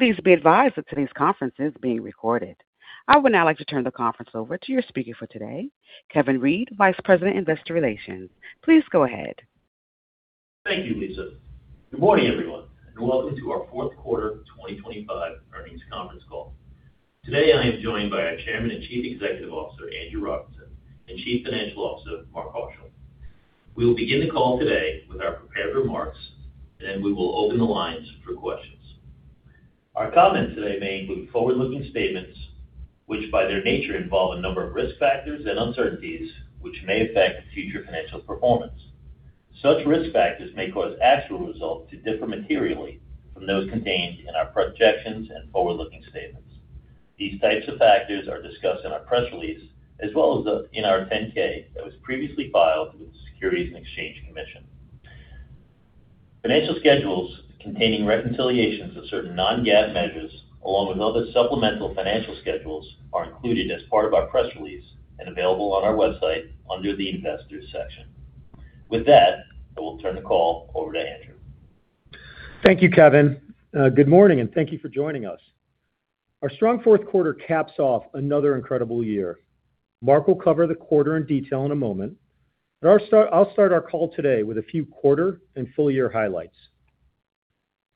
Please be advised that today's conference is being recorded. I would now like to turn the conference over to your speaker for today, Kevin Reed, Vice President, Investor Relations. Please go ahead. Thank you, Lisa. Good morning, everyone, and welcome to our Fourth Quarter 2025 Earnings Conference Call. Today, I am joined by our Chairman and Chief Executive Officer, Andrew Robinson, and Chief Financial Officer, Mark Haushill. We will begin the call today with our prepared remarks, and then we will open the lines for questions. Our comments today may include forward-looking statements, which by their nature, involve a number of risk factors and uncertainties, which may affect future financial performance. Such risk factors may cause actual results to differ materially from those contained in our projections and forward-looking statements. These types of factors are discussed in our press release, as well as in our 10-K that was previously filed with the Securities and Exchange Commission. Financial schedules containing reconciliations of certain non-GAAP measures, along with other supplemental financial schedules, are included as part of our press release and available on our website under the Investors section. With that, I will turn the call over to Andrew. Thank you, Kevin. Good morning, and thank you for joining us. Our strong fourth quarter caps off another incredible year. Mark will cover the quarter in detail in a moment, but I'll start our call today with a few quarter and full year highlights.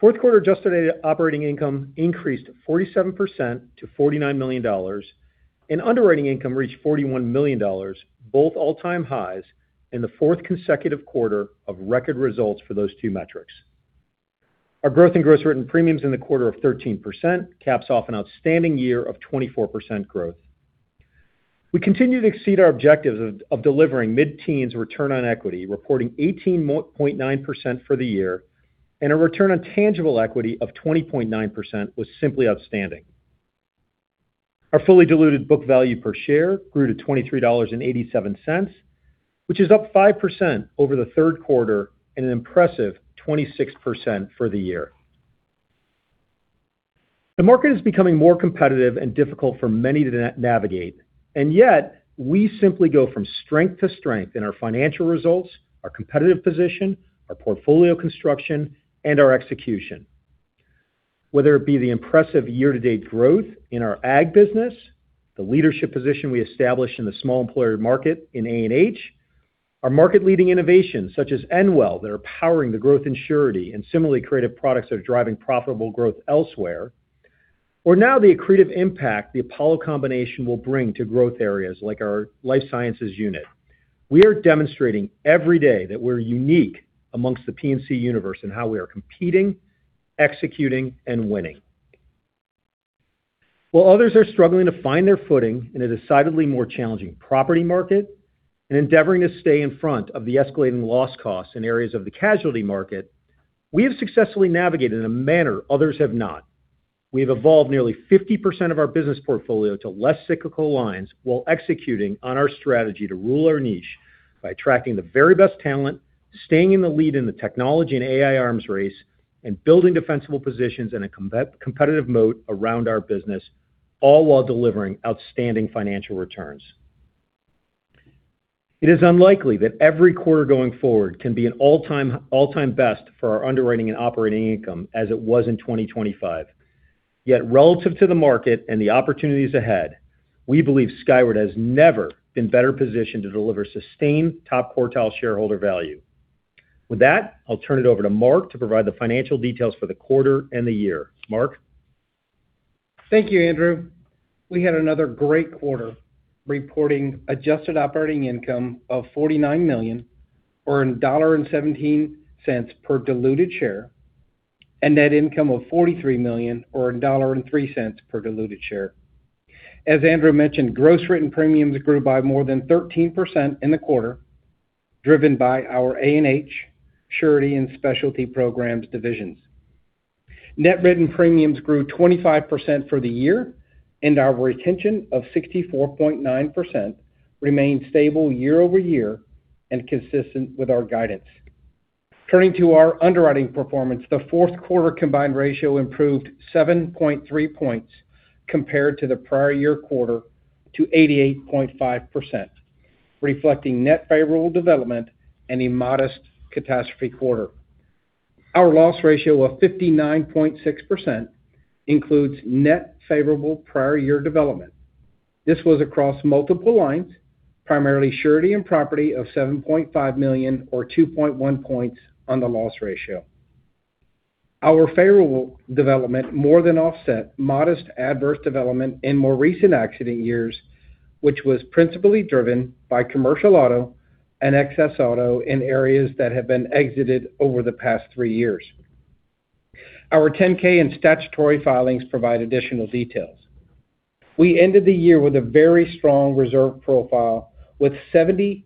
Fourth quarter adjusted operating income increased 47% to $49 million, and underwriting income reached $41 million, both all-time highs in the fourth consecutive quarter of record results for those two metrics. Our growth in gross written premiums in the quarter of 13% caps off an outstanding year of 24% growth. We continue to exceed our objectives of delivering mid-teens return on equity, reporting 18.9% for the year, and a return on tangible equity of 20.9% was simply outstanding. Our fully diluted book value per share grew to $23.87, which is up 5% over the third quarter and an impressive 26% for the year. The market is becoming more competitive and difficult for many to navigate, and yet we simply go from strength to strength in our financial results, our competitive position, our portfolio construction, and our execution. Whether it be the impressive year-to-date growth in our Ag business, the leadership position we established in the small employer market in A&H, our market-leading innovations such as EndWell, that are powering the growth in Surety and similarly creative products that are driving profitable growth elsewhere, or now the accretive impact the Apollo combination will bring to growth areas like our Life Sciences unit. We are demonstrating every day that we're unique amongst the P&C universe in how we are competing, executing, and winning. While others are struggling to find their footing in a decidedly more challenging property market and endeavoring to stay in front of the escalating loss costs in areas of the casualty market, we have successfully navigated in a manner others have not. We've evolved nearly 50% of our business portfolio to less cyclical lines while executing on our strategy to rule our niche by attracting the very best talent, staying in the lead in the technology and AI arms race, and building defensible positions in a competitive moat around our business, all while delivering outstanding financial returns. It is unlikely that every quarter going forward can be an all-time best for our underwriting and operating income as it was in 2025. Relative to the market and the opportunities ahead, we believe Skyward has never been better positioned to deliver sustained top-quartile shareholder value. With that, I'll turn it over to Mark to provide the financial details for the quarter and the year. Mark? Thank you, Andrew. We had another great quarter, reporting adjusted operating income of $49 million, or $1.17 per diluted share, and net income of $43 million or $1.03 per diluted share. As Andrew mentioned, gross written premiums grew by more than 13% in the quarter, driven by our A&H, Surety and Specialty Programs divisions. Net written premiums grew 25% for the year, and our retention of 64.9% remained stable year-over-year and consistent with our guidance. Turning to our underwriting performance, the fourth quarter combined ratio improved 7.3 points compared to the prior year quarter to 88.5%, reflecting net favorable development and a modest catastrophe quarter. Our loss ratio of 59.6% includes net favorable prior year development. This was across multiple lines, primarily Surety and Property of $7.5 million or 2.1 points on the loss ratio. Our favorable development more than offset modest adverse development in more recent accident years, which was principally driven by commercial auto and excess auto in areas that have been exited over the past three years. Our 10-K and statutory filings provide additional details. We ended the year with a very strong reserve profile, with 74%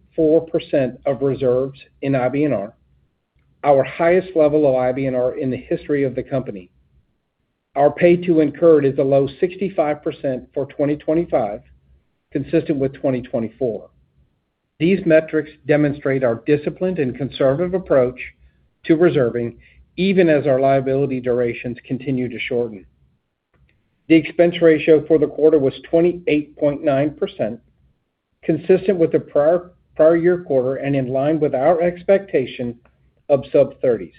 of reserves in IBNR, our highest level of IBNR in the history of the company. Our paid-to-incurred is a low 65% for 2025, consistent with 2024. These metrics demonstrate our disciplined and conservative approach to reserving, even as our liability durations continue to shorten. The expense ratio for the quarter was 28.9%, consistent with the prior year quarter and in line with our expectation of sub-30s.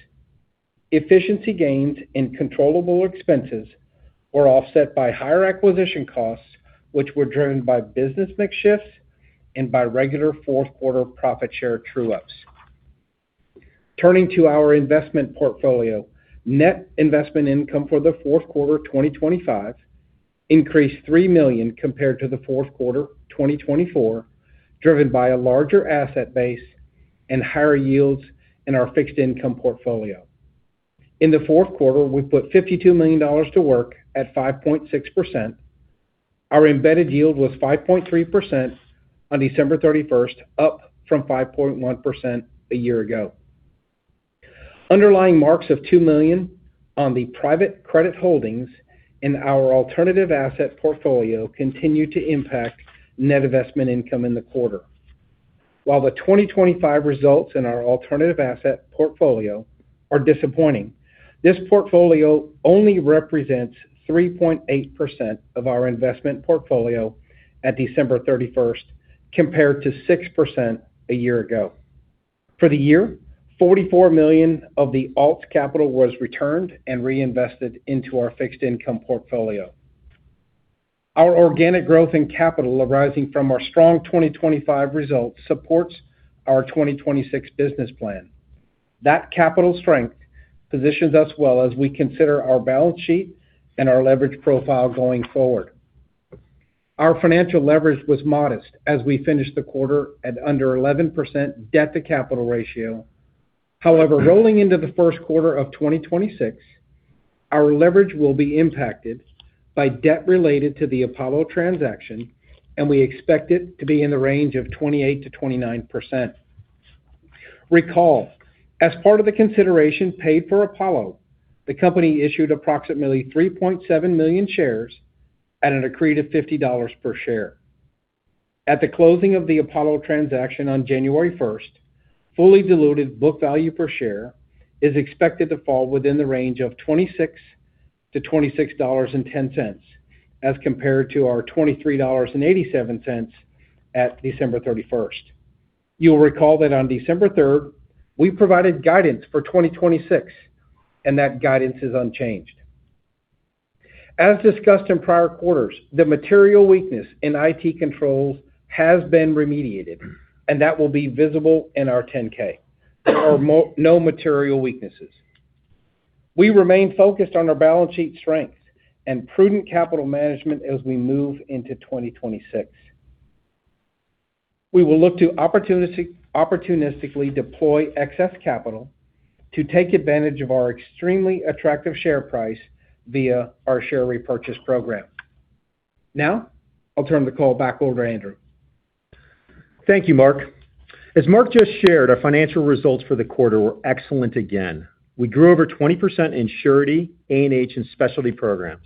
Efficiency gains in controllable expenses were offset by higher acquisition costs, which were driven by business mix shifts and by regular fourth quarter profit share true-ups. Turning to our investment portfolio. Net investment income for the fourth quarter 2025 increased $3 million compared to the fourth quarter 2024, driven by a larger asset base and higher yields in our fixed income portfolio. In the fourth quarter, we put $52 million to work at 5.6%. Our embedded yield was 5.3% on December 31st, up from 5.1% a year ago. Underlying marks of $2 million on the private credit holdings in our alternative asset portfolio continued to impact net investment income in the quarter. While the 2025 results in our alternative asset portfolio are disappointing, this portfolio only represents 3.8% of our investment portfolio at December 31st, compared to 6% a year ago. For the year, $44 million of the alt capital was returned and reinvested into our fixed income portfolio. Our organic growth in capital, arising from our strong 2025 results, supports our 2026 business plan. That capital strength positions us well as we consider our balance sheet and our leverage profile going forward. Our financial leverage was modest as we finished the quarter at under 11% debt-to-capital ratio. However, rolling into the first quarter of 2026, our leverage will be impacted by debt related to the Apollo transaction, and we expect it to be in the range of 28%-29%. Recall, as part of the consideration paid for Apollo, the company issued approximately 3.7 million shares at an accreted $50 per share. At the closing of the Apollo transaction on January 1st, fully diluted book value per share is expected to fall within the range of $26-$26.10, as compared to our $23.87 at December 31st. You'll recall that on December 3rd, we provided guidance for 2026, and that guidance is unchanged. As discussed in prior quarters, the material weakness in IT controls has been remediated, and that will be visible in our 10-K. There are no material weaknesses. We remain focused on our balance sheet strengths and prudent capital management as we move into 2026. We will look to opportunistically deploy excess capital to take advantage of our extremely attractive share price via our share repurchase program. I'll turn the call back over to Andrew. Thank you, Mark. As Mark just shared, our financial results for the quarter were excellent again. We grew over 20% in Surety, A&H, and Specialty Programs.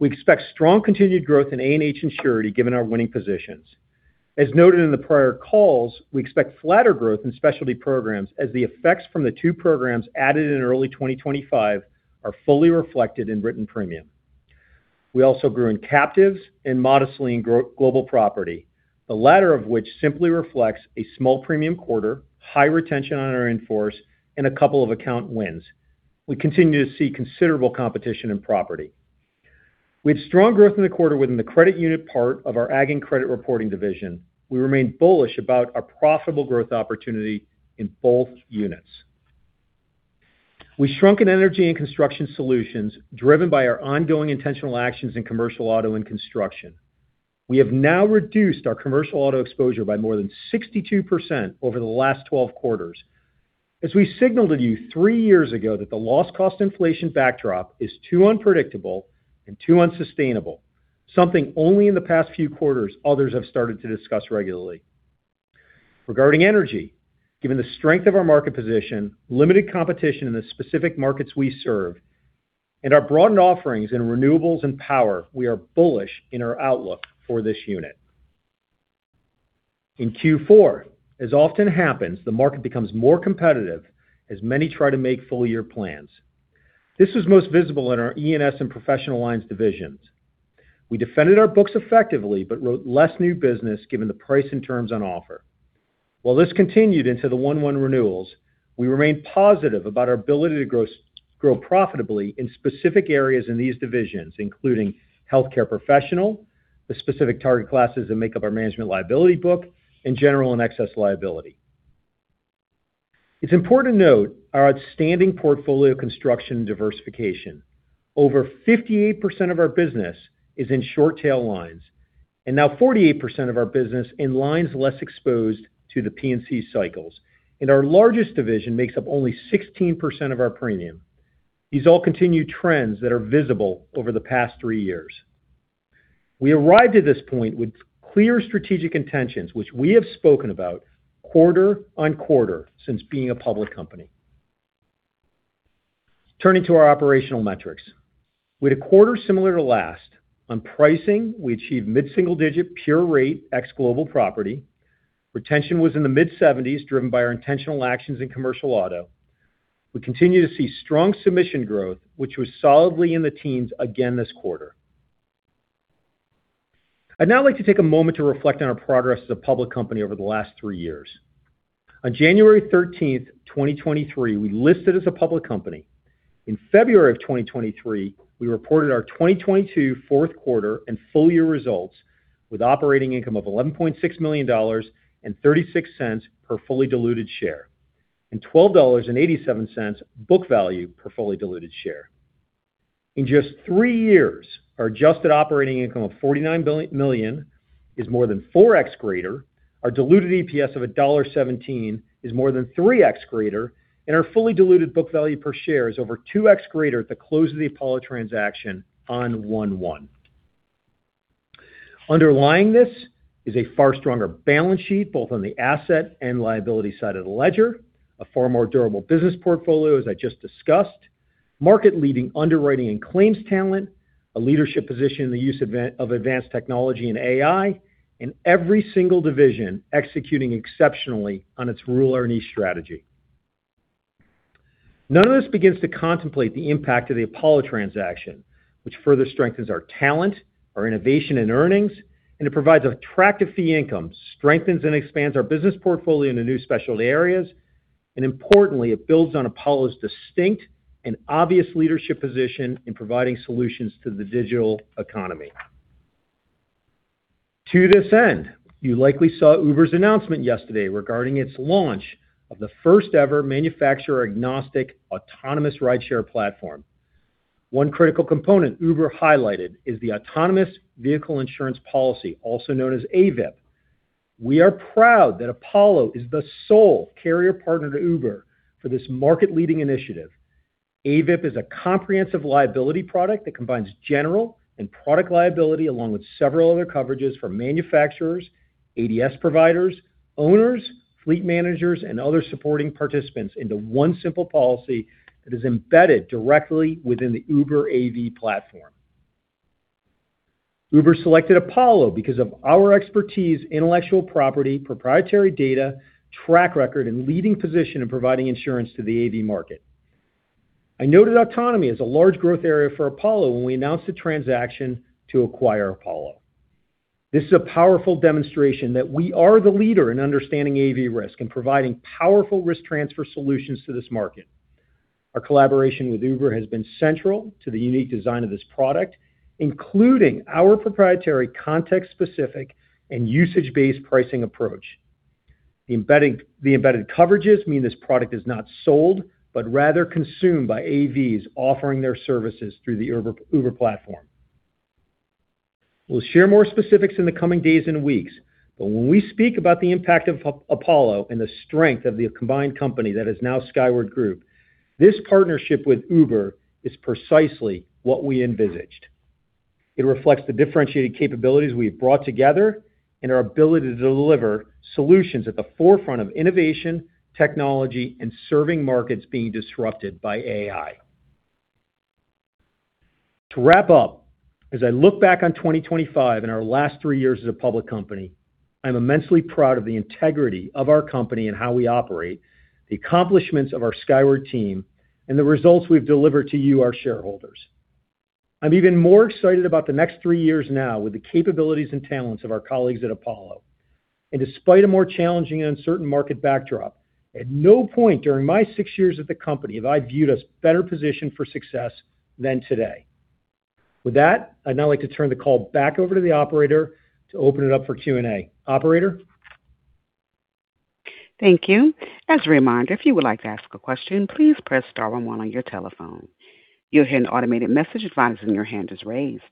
We expect strong continued growth in A&H and Surety, given our winning positions. As noted in the prior calls, we expect flatter growth in Specialty Programs as the effects from the two programs added in early 2025 are fully reflected in written premium. We also grew in captives and modestly in Global Property, the latter of which simply reflects a small premium quarter, high retention on our in-force, and a couple of account wins. We continue to see considerable competition in property. We had strong growth in the quarter within the Credit unit part of our Ag and Credit Reporting division. We remain bullish about our profitable growth opportunity in both units. We shrunk in Construction & Energy Solutions, driven by our ongoing intentional actions in commercial auto and construction. We have now reduced our commercial auto exposure by more than 62% over the last 12 quarters, as we signaled to you three years ago that the loss cost inflation backdrop is too unpredictable and too unsustainable, something only in the past few quarters others have started to discuss regularly. Regarding energy, given the strength of our market position, limited competition in the specific markets we serve, and our broadened offerings in renewables and power, we are bullish in our outlook for this unit. In Q4, as often happens, the market becomes more competitive as many try to make full year plans. This is most visible in our E&S and Professional Lines divisions. We defended our books effectively, but wrote less new business given the price and terms on offer. While this continued into the 1/1 renewals, we remain positive about our ability to grow profitably in specific areas in these divisions, including healthcare professional, the specific target classes that make up our management liability book, and general and excess liability. It's important to note our outstanding portfolio construction diversification. Over 58% of our business is in short tail lines, now 48% of our business in lines less exposed to the P&C cycles, our largest division makes up only 16% of our premium. These all continue trends that are visible over the past three years. We arrived at this point with clear strategic intentions, which we have spoken about quarter on quarter since being a public company. Turning to our operational metrics. With a quarter similar to last, on pricing, we achieved mid-single digit pure rate Ex-Global Property. Retention was in the mid-70s, driven by our intentional actions in commercial auto. We continue to see strong submission growth, which was solidly in the teens again this quarter. I'd now like to take a moment to reflect on our progress as a public company over the last three years. On January 13th, 2023, we listed as a public company. In February of 2023, we reported our 2022 fourth quarter and full year results, with operating income of $11.6 million and $0.36 per fully diluted share, and $12.87 book value per fully diluted share. In just three years, our adjusted operating income of $49 million is more than 4x greater, our diluted EPS of $1.17 is more than 3x greater, and our fully diluted book value per share is over 2x greater at the close of the Apollo transaction on 1/1. Underlying this is a far stronger balance sheet, both on the asset and liability side of the ledger, a far more durable business portfolio, as I just discussed, market-leading underwriting and claims talent, a leadership position in the use of advanced technology and AI, and every single division executing exceptionally on its rule or niche strategy. None of this begins to contemplate the impact of the Apollo transaction, which further strengthens our talent, our innovation and earnings, and it provides attractive fee income, strengthens and expands our business portfolio into new specialty areas, and importantly, it builds on Apollo's distinct and obvious leadership position in providing solutions to the digital economy. To this end, you likely saw Uber's announcement yesterday regarding its launch of the first-ever manufacturer-agnostic autonomous rideshare platform. One critical component Uber highlighted is the Autonomous Vehicle Insurance Policy, also known as AVIP. We are proud that Apollo is the sole carrier partner to Uber for this market-leading initiative. AVIP is a comprehensive liability product that combines general and product liability, along with several other coverages for manufacturers, ADS providers, owners, fleet managers, and other supporting participants into one simple policy that is embedded directly within the Uber AV platform. Uber selected Apollo because of our expertise, intellectual property, proprietary data, track record, and leading position in providing insurance to the AV market. I noted autonomy as a large growth area for Apollo when we announced the transaction to acquire Apollo. This is a powerful demonstration that we are the leader in understanding AV risk and providing powerful risk transfer solutions to this market. Our collaboration with Uber has been central to the unique design of this product, including our proprietary context-specific and usage-based pricing approach. The embedded coverages mean this product is not sold, but rather consumed by AVs offering their services through the Uber platform. We'll share more specifics in the coming days and weeks, but when we speak about the impact of Apollo and the strength of the combined company that is now Skyward Group, this partnership with Uber is precisely what we envisaged. It reflects the differentiated capabilities we have brought together and our ability to deliver solutions at the forefront of innovation, technology, and serving markets being disrupted by AI. To wrap up, as I look back on 2025 and our last three years as a public company, I'm immensely proud of the integrity of our company and how we operate, the accomplishments of our Skyward team, and the results we've delivered to you, our shareholders. I'm even more excited about the next three years now with the capabilities and talents of our colleagues at Apollo. Despite a more challenging and uncertain market backdrop, at no point during my six years at the company have I viewed us better positioned for success than today. With that, I'd now like to turn the call back over to the operator to open it up for Q&A. Operator? Thank you. As a reminder, if you would like to ask a question, please press star one one on your telephone. You'll hear an automated message advising your hand is raised.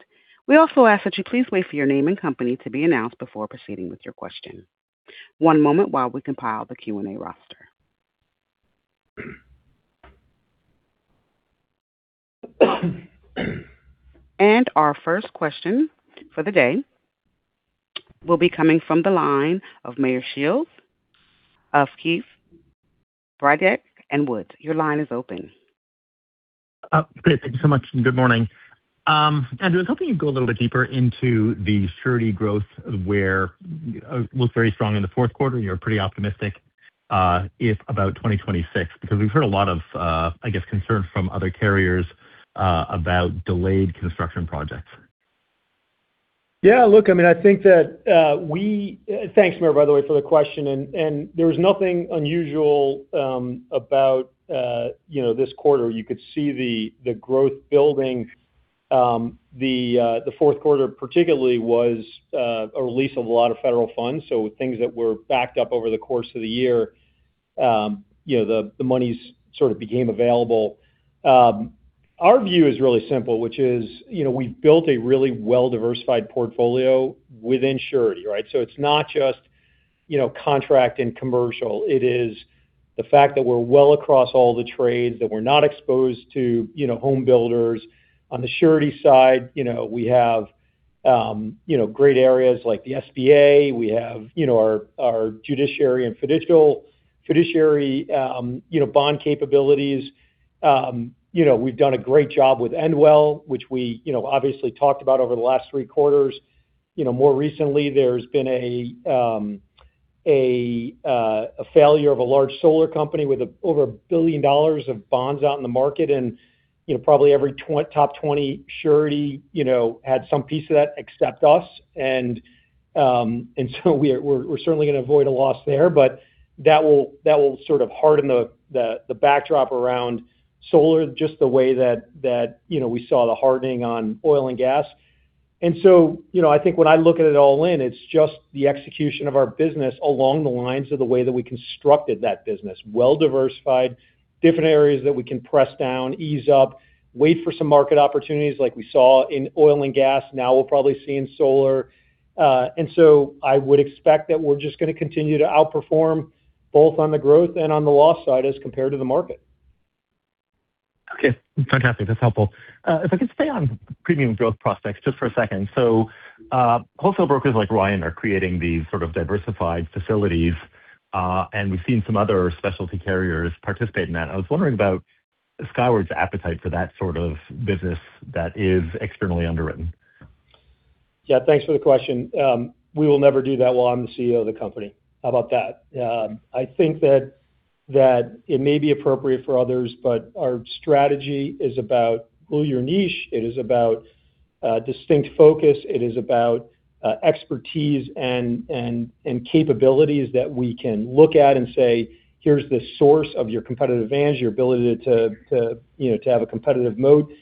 We also ask that you please wait for your name and company to be announced before proceeding with your question. One moment while we compile the Q&A roster. Our first question for the day will be coming from the line of Meyer Shields of Keefe, Bruyette & Woods. Your line is open. Great. Thank you so much, and good morning. I was hoping you'd go a little bit deeper into the Surety growth, where it was very strong in the fourth quarter. You're pretty optimistic, if about 2026, because we've heard a lot of, I guess, concern from other carriers, about delayed construction projects. Yeah, look, I mean, I think that. Thanks, Meyer, by the way, for the question. There was nothing unusual about, you know, this quarter. You could see the growth building. The fourth quarter, particularly, was a release of a lot of federal funds. Things that were backed up over the course of the year, you know, the monies sort of became available. Our view is really simple, which is, you know, we've built a really well-diversified portfolio within Surety, right? So it's not just, you know, contract and commercial. It is the fact that we're well across all the trades, that we're not exposed to, you know, home builders. On the Surety side, you know, we have, you know, great areas like the SBA. We have, you know, our judiciary and fiduciary, you know, bond capabilities. You know, we've done a great job with EndWell, which we, you know, obviously talked about over the last three quarters. You know, more recently, there's been a failure of a large solar company with over $1 billion of bonds out in the market, and, you know, probably every top 20 surety, you know, had some piece of that except us. So we're certainly going to avoid a loss there, but that will, that will sort of harden the backdrop around solar, just the way that, you know, we saw the hardening on oil and gas. You know, I think when I look at it all in, it's just the execution of our business along the lines of the way that we constructed that business. Well diversified, different areas that we can press down, ease up, wait for some market opportunities like we saw in oil and gas, now we'll probably see in solar. I would expect that we're just going to continue to outperform both on the growth and on the loss side as compared to the market. Okay, fantastic. That's helpful. If I could stay on premium growth prospects just for a second. Wholesale brokers like Ryan are creating these sort of diversified facilities, and we've seen some other specialty carriers participate in that. I was wondering about Skyward's appetite for that sort of business that is externally underwritten. Yeah, thanks for the question. We will never do that while I'm the CEO of the company. How about that? I think that it may be appropriate for others, but our strategy is about grow your niche. It is about distinct focus. It is about expertise and capabilities that we can look at and say, "Here's the source of your competitive advantage, your ability to, you know, to have a competitive moat."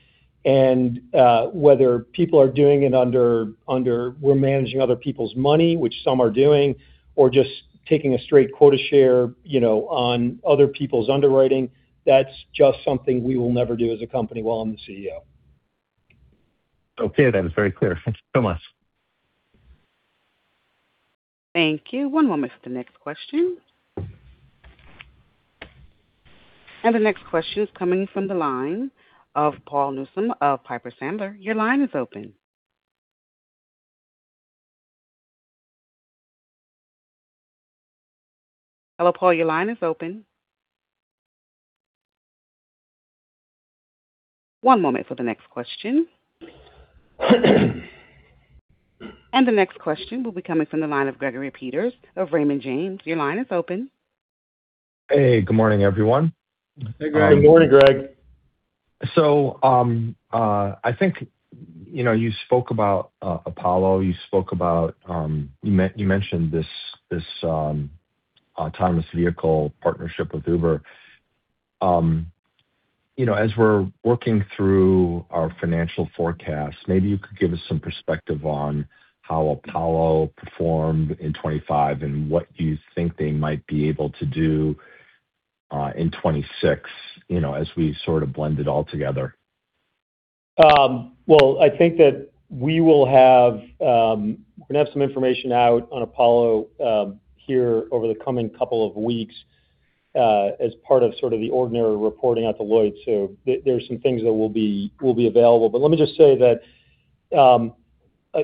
Whether people are doing it under we're managing other people's money, which some are doing, or just taking a straight quota share, you know, on other people's underwriting, that's just something we will never do as a company while I'm the CEO. Okay, that is very clear. Thanks so much. Thank you. One moment for the next question. The next question is coming from the line of Paul Newsome of Piper Sandler. Your line is open. Hello, Paul, your line is open. One moment for the next question. The next question will be coming from the line of Gregory Peters of Raymond James. Your line is open. Hey, good morning, everyone. Hey, Greg. Good morning, Greg. I think, you know, you spoke about Apollo, you spoke about, you mentioned this autonomous vehicle partnership with Uber. You know, as we're working through our financial forecasts, maybe you could give us some perspective on how Apollo performed in 2025 and what you think they might be able to do in 2026, you know, as we sort of blend it all together. Well, I think that we will have, we're going to have some information out on Apollo here over the coming couple of weeks, as part of sort of the ordinary reporting at the Lloyd. There are some things that will be available. Let me just say that,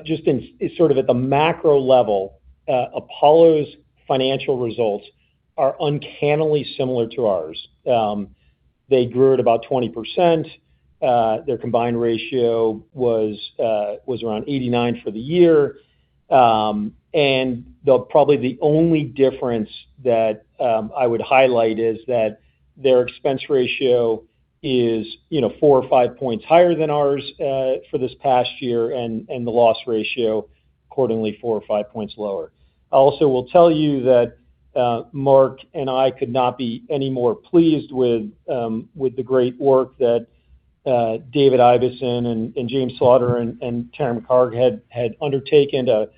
just in sort of at the macro level, Apollo's financial results are uncannily similar to ours. They grew at about 20%. Their combined ratio was around 89 for the year. The probably the only difference that I would highlight is that their expense ratio is, you know, four or five points higher than ours for this past year, and the loss ratio, accordingly, four or five points lower. I also will tell you that Mark and I could not be any more pleased with the great work that David Ibeson and James Slaughter and Taryn McHarg had undertaken to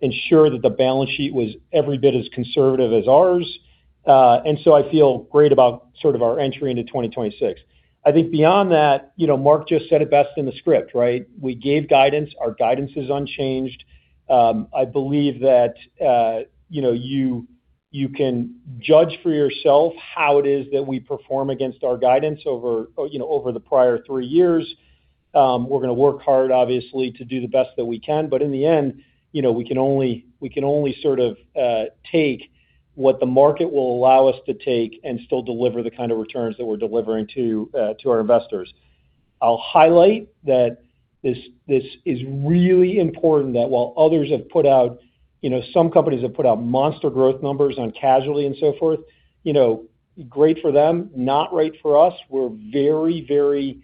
ensure that the balance sheet was every bit as conservative as ours. I feel great about sort of our entry into 2026. I think beyond that, you know, Mark just said it best in the script, right? We gave guidance. Our guidance is unchanged. I believe that, you know, you can judge for yourself how it is that we perform against our guidance over the prior three years. We're going to work hard, obviously, to do the best that we can, but in the end, you know, we can only sort of, take what the market will allow us to take and still deliver the kind of returns that we're delivering to our investors. I'll highlight that this is really important, that while others have put out, you know, some companies have put out monster growth numbers on casualty and so forth, you know, great for them, not great for us. We're very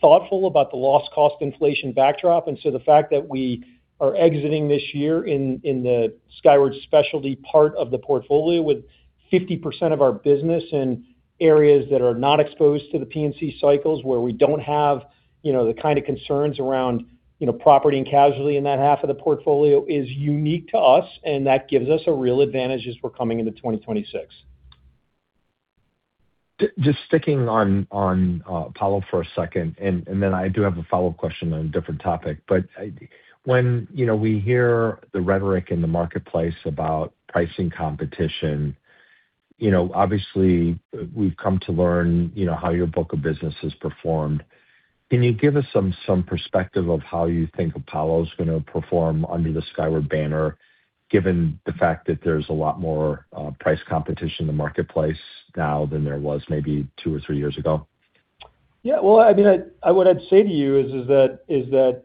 thoughtful about the loss cost inflation backdrop. The fact that we are exiting this year in the Skyward Specialty part of the portfolio with 50% of our business in areas that are not exposed to the P&C cycles, where we don't have, you know, the kind of concerns around, you know, property and casualty in that half of the portfolio, is unique to us. That gives us a real advantage as we're coming into 2026. Just sticking on Apollo for a second, and then I do have a follow-up question on a different topic. When, you know, we hear the rhetoric in the marketplace about pricing competition, you know, obviously, we've come to learn, you know, how your book of business has performed. Can you give us some perspective of how you think Apollo is going to perform under the Skyward banner, given the fact that there's a lot more price competition in the marketplace now than there was maybe two or three years ago? Well, I mean, I, what I'd say to you is that, is that,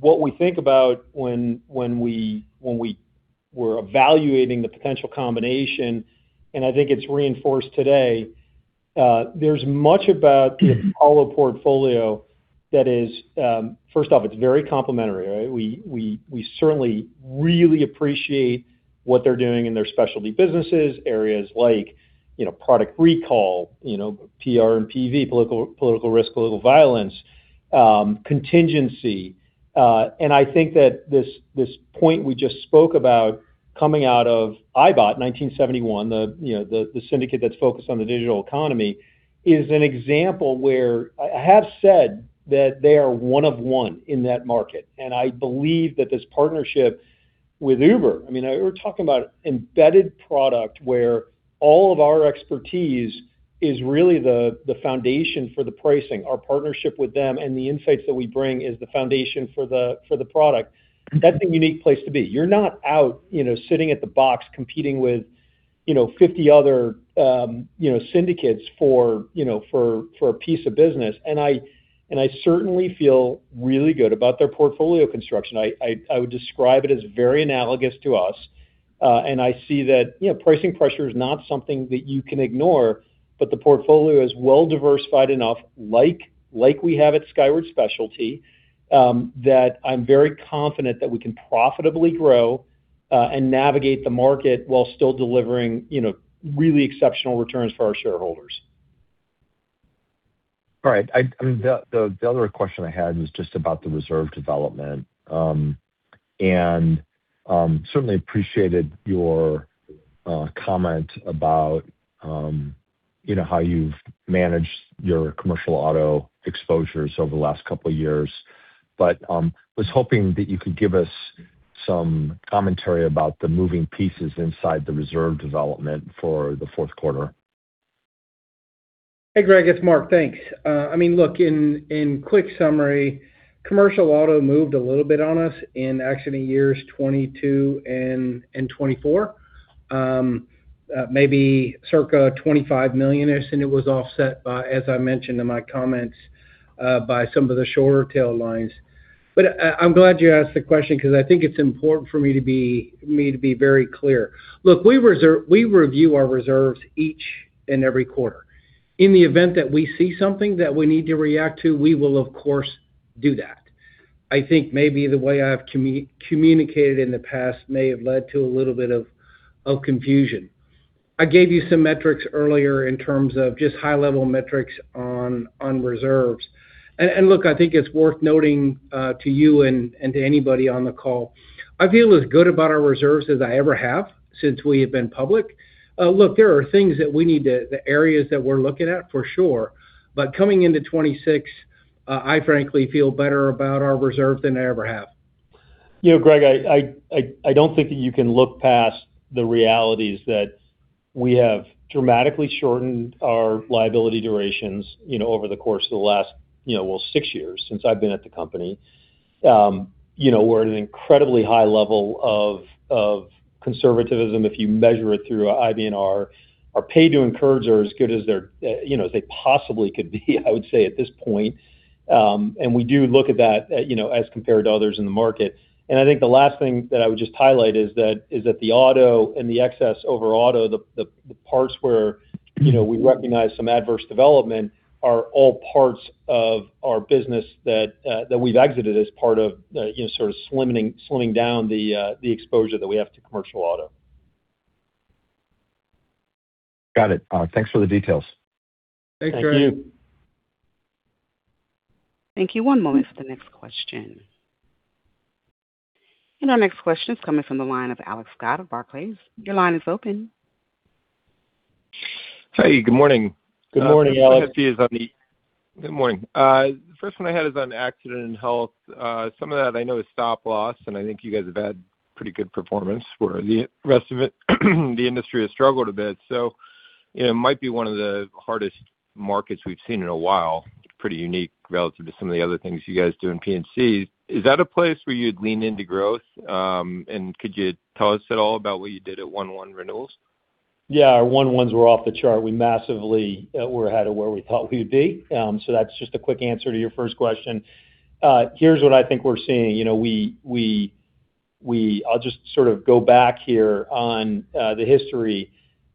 what we think about when we, when we were evaluating the potential combination, I think it's reinforced today. There's much about the Apollo portfolio that is, first off, it's very complementary, right? We, we certainly really appreciate what they're doing in their specialty businesses, areas like, you know, Product Recall, PRI and PV, Political Risk, Political Violence, Contingency. I think that this point we just spoke about coming out of ibott Syndicate 1971, the syndicate that's focused on the digital economy, is an example where I have said that they are one of one in that market, and I believe that this partnership with Uber... I mean, we're talking about embedded product, where all of our expertise is really the foundation for the pricing. Our partnership with them and the insights that we bring is the foundation for the product. That's a unique place to be. You're not out, you know, sitting at the box competing with, you know, 50 other, you know, syndicates for a piece of business. I certainly feel really good about their portfolio construction. I would describe it as very analogous to us. I see that, you know, pricing pressure is not something that you can ignore, but the portfolio is well-diversified enough, like we have at Skyward Specialty, that I'm very confident that we can profitably grow and navigate the market while still delivering, you know, really exceptional returns for our shareholders. All right. I mean, the other question I had was just about the reserve development. Certainly appreciated your comment about, you know, how you've managed your commercial auto exposures over the last couple of years. Was hoping that you could give us some commentary about the moving pieces inside the reserve development for the fourth quarter. Hey, Greg, it's Mark. Thanks. I mean, look, in quick summary, commercial auto moved a little bit on us in accident years 22 and 24. Maybe circa $25 million-ish, it was offset by, as I mentioned in my comments, by some of the shorter tail lines. I'm glad you asked the question because I think it's important for me to be very clear. Look, we review our reserves each and every quarter. In the event that we see something that we need to react to, we will, of course, do that. I think maybe the way I've communicated in the past may have led to a little bit of confusion. I gave you some metrics earlier in terms of just high-level metrics on reserves. Look, I think it's worth noting, to you and to anybody on the call, I feel as good about our reserves as I ever have since we have been public. Look, there are things that we need to, the areas that we're looking at, for sure. Coming into 2026, I frankly feel better about our reserve than I ever have. You know, Greg, I don't think that you can look past the realities that we have dramatically shortened our liability durations, you know, over the course of the last, you know, well, six years since I've been at the company. You know, we're at an incredibly high level of conservatism if you measure it through IBNR. Our paid-to-incurred are as good as they're, you know, as they possibly could be, I would say, at this point. We do look at that, you know, as compared to others in the market. I think the last thing that I would just highlight is that the auto and the excess over auto, the parts where, you know, we recognize some adverse development, are all parts of our business that we've exited as part of, you know, sort of slimming down the exposure that we have to commercial auto. Got it. Thanks for the details. Thanks, Greg. Thank you. Thank you. One moment for the next question. Our next question is coming from the line of Alex Scott of Barclays. Your line is open. Hey, good morning. Good morning, Alex. Good morning. The first one I had is on Accident & Health. Some of that I know is stop-loss, and I think you guys have had pretty good performance where the rest of it, the industry has struggled a bit. It might be one of the hardest markets we've seen in a while. Pretty unique relative to some of the other things you guys do in P&C. Is that a place where you'd lean into growth? Could you tell us at all about what you did at 1/1 renewals? Yeah, our 1/1 were off the chart. We massively, we're ahead of where we thought we would be. That's just a quick answer to your first question. Here's what I think we're seeing. You know, I'll just sort of go back here on the history.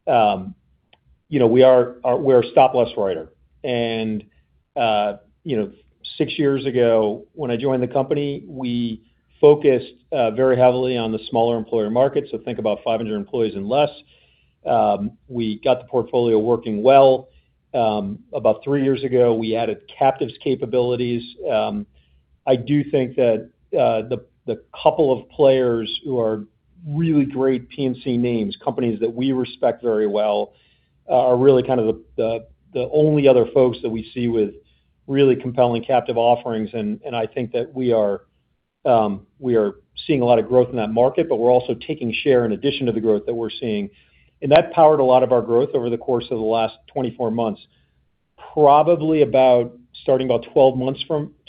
You know, we're a stop-loss writer, you know, six years ago, when I joined the company, we focused very heavily on the smaller employer market, so think about 500 employees and less. We got the portfolio working well. About three years ago, we added captives capabilities. I do think that the couple of players who are really great P&C names, companies that we respect very well, are really kind of the only other folks that we see with really compelling captive offerings. I think that we are seeing a lot of growth in that market, but we're also taking share in addition to the growth that we're seeing. That powered a lot of our growth over the course of the last 24 months. Probably about, starting about 12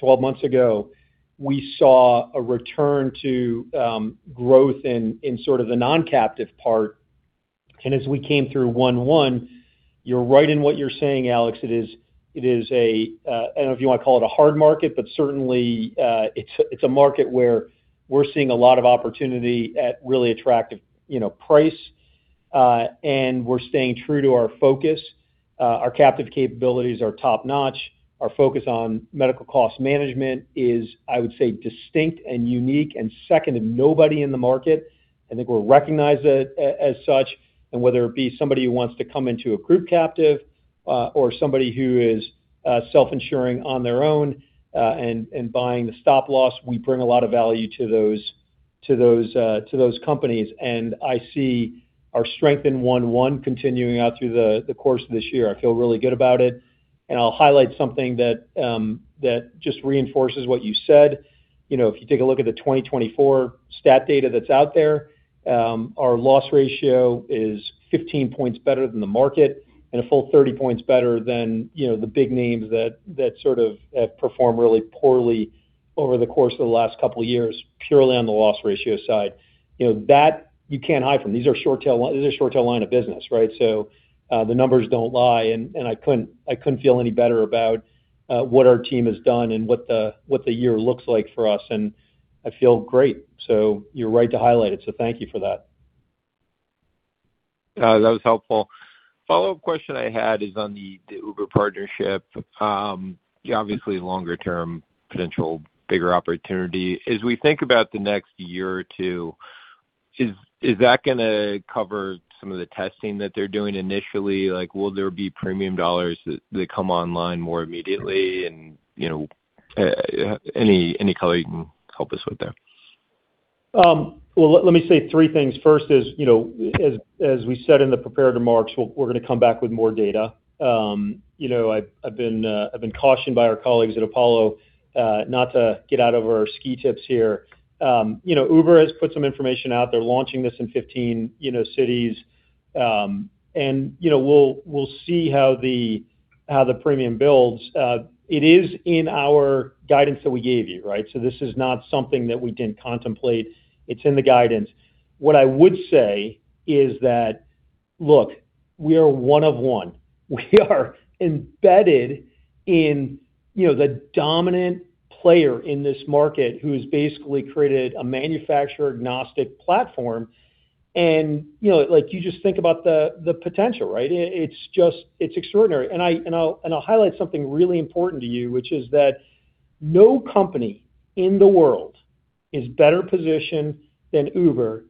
months ago, we saw a return to growth in sort of the non-captive part. As we came through 1/1, you're right in what you're saying, Alex. It is, it is a, I don't know if you wanna call it a hard market, but certainly, it's a market where we're seeing a lot of opportunity at really attractive, you know, price. We're staying true to our focus. Our captive capabilities are top-notch. Our focus on medical cost management is, I would say, distinct and unique and second to nobody in the market. I think we're recognized as such, and whether it be somebody who wants to come into a group captive, or somebody who is self-insuring on their own, and buying the stop-loss, we bring a lot of value to those companies. I see our strength in one-one continuing out through the course of this year. I feel really good about it. I'll highlight something that just reinforces what you said. You know, if you take a look at the 2024 STAT data that's out there, our loss ratio is 15 points better than the market and a full 30 points better than, you know, the big names that sort of, performed really poorly over the course of the last couple of years, purely on the loss ratio side. You know, that you can't hide from. These are short tail line of business, right? The numbers don't lie, and I couldn't feel any better about what our team has done and what the year looks like for us, and I feel great. You're right to highlight it, so thank you for that. That was helpful. Follow-up question I had is on the Uber partnership. Obviously, longer term, potential bigger opportunity. As we think about the next year or two, is that gonna cover some of the testing that they're doing initially? Like, will there be premium dollars that come online more immediately? You know, any color you can help us with there? Well, let me say three things. First is, you know, as we said in the prepared remarks, we're gonna come back with more data. You know, I've been cautioned by our colleagues at Apollo not to get out of our ski tips here. You know, Uber has put some information out. They're launching this in 15, you know, cities. You know, we'll see how the, how the premium builds. It is in our guidance that we gave you, right? This is not something that we didn't contemplate. It's in the guidance. What I would say is that, look, we are one of one. We are embedded in, you know, the dominant player in this market, who has basically created a manufacturer-agnostic platform. You know, like, you just think about the potential, right? It's just it's extraordinary. I'll, and I'll highlight something really important to you, which is that no company in the world is better positioned than Uber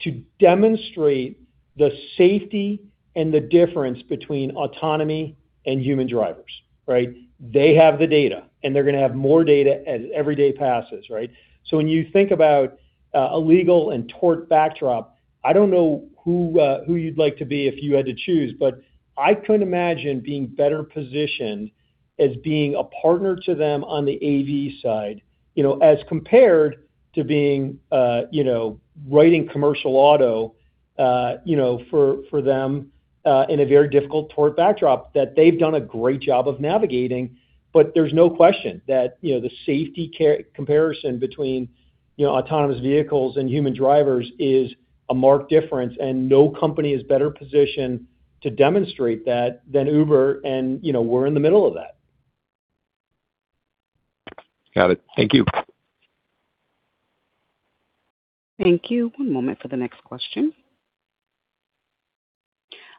to demonstrate the safety and the difference between autonomy and human drivers, right? They have the data, and they're gonna have more data as every day passes, right? When you think about a legal and tort backdrop, I don't know who who you'd like to be if you had to choose, but I couldn't imagine being better positioned as being a partner to them on the AV side, you know, as compared to being, you know, writing commercial auto, you know, for them in a very difficult tort backdrop, that they've done a great job of navigating. There's no question that, you know, the safety care comparison between, you know, autonomous vehicles and human drivers is a marked difference. No company is better positioned to demonstrate that than Uber. You know, we're in the middle of that. Got it. Thank you. Thank you. One moment for the next question.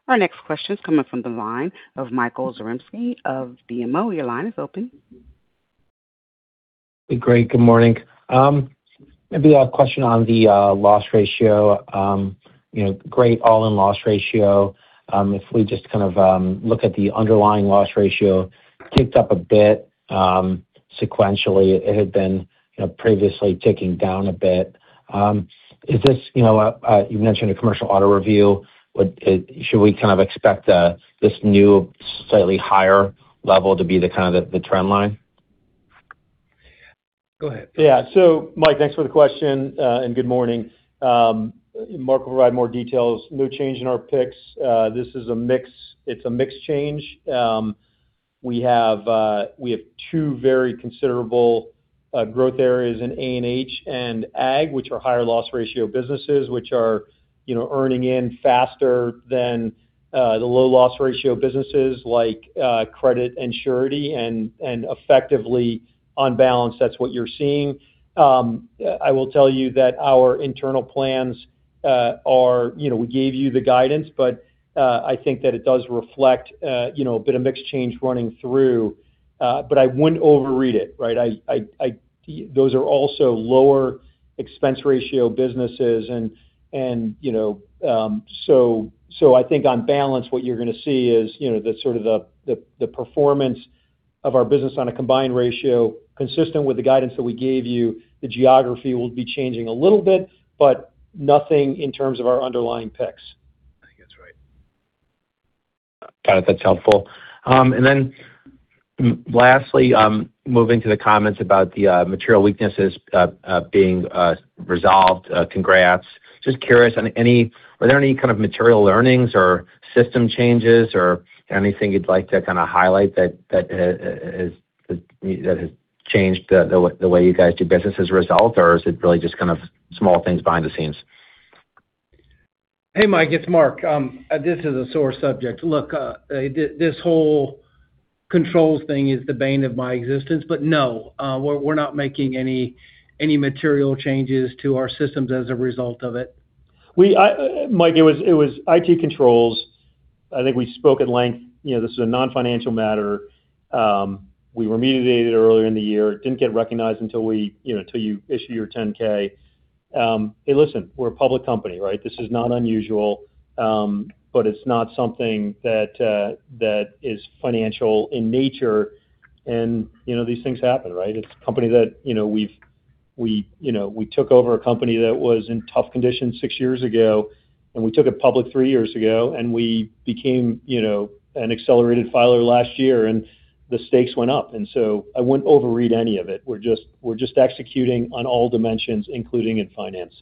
Our next question is coming from the line of Michael Zaremski of BMO. Your line is open. Hey, Greg. Good morning. Maybe a question on the loss ratio. You know, great all-in loss ratio. If we just kind of look at the underlying loss ratio, ticked up a bit, sequentially. It had been, you know, previously ticking down a bit. Is this you know, you mentioned a commercial auto review. What should we kind of expect this new, slightly higher level to be the kind of the trend line? Go ahead. Yeah. Mike, thanks for the question, and good morning. Mark will provide more details. No change in our picks. It's a mixed change. We have two very considerable growth areas in A&H and Ag, which are higher loss ratio businesses, which are, you know, earning in faster than the low loss ratio businesses like Credit and Surety, and effectively on balance, that's what you're seeing. I will tell you that our internal plans are, you know, we gave you the guidance, but I think that it does reflect, you know, a bit of mixed change running through, but I wouldn't overread it, right? I Those are also lower expense ratio businesses and, you know, so I think on balance, what you're gonna see is, you know, the sort of the performance of our business on a combined ratio, consistent with the guidance that we gave you. The geography will be changing a little bit, but nothing in terms of our underlying picks. I think that's right. Got it. That's helpful. Then lastly, moving to the comments about the material weaknesses being resolved, congrats. Just curious on were there any kind of material learnings or system changes or anything you'd like to kind of highlight that? changed the way you guys do business as a result, or is it really just kind of small things behind the scenes? Hey, Mike, it's Mark. This is a sore subject. Look, this whole controls thing is the bane of my existence. No, we're not making any material changes to our systems as a result of it. We, Mike, it was IT controls. I think we spoke at length. You know, this is a non-financial matter. We remediated earlier in the year. It didn't get recognized until you know, until you issue your 10-K. Hey, listen, we're a public company, right? This is not unusual, but it's not something that is financial in nature, and, you know, these things happen, right? It's a company that, you know, we, you know, we took over a company that was in tough conditions six years ago, and we took it public three years ago, and we became, you know, an accelerated filer last year, and the stakes went up. I wouldn't overread any of it. We're just, we're just executing on all dimensions, including in finance.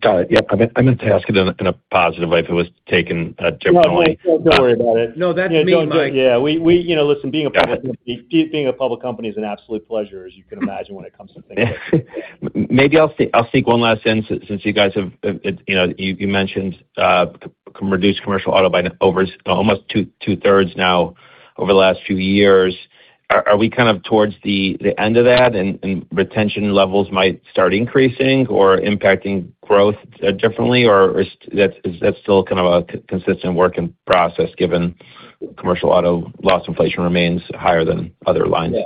Got it. Yep. I meant to ask it in a, in a positive way. If it was taken a different way. No, Mike, don't worry about it. No, that's me, Mike. Yeah, we, you know, listen. Got it. Being a public company is an absolute pleasure, as you can imagine, when it comes to things like this. Maybe I'll seek, I'll seek one last sense since you guys have, you know, you mentioned, reduced commercial auto by over almost two-thirds now over the last few years. Are we kind of towards the end of that, and retention levels might start increasing or impacting growth, differently? Or is that still kind of a consistent work in process, given commercial auto loss inflation remains higher than other lines? Yeah.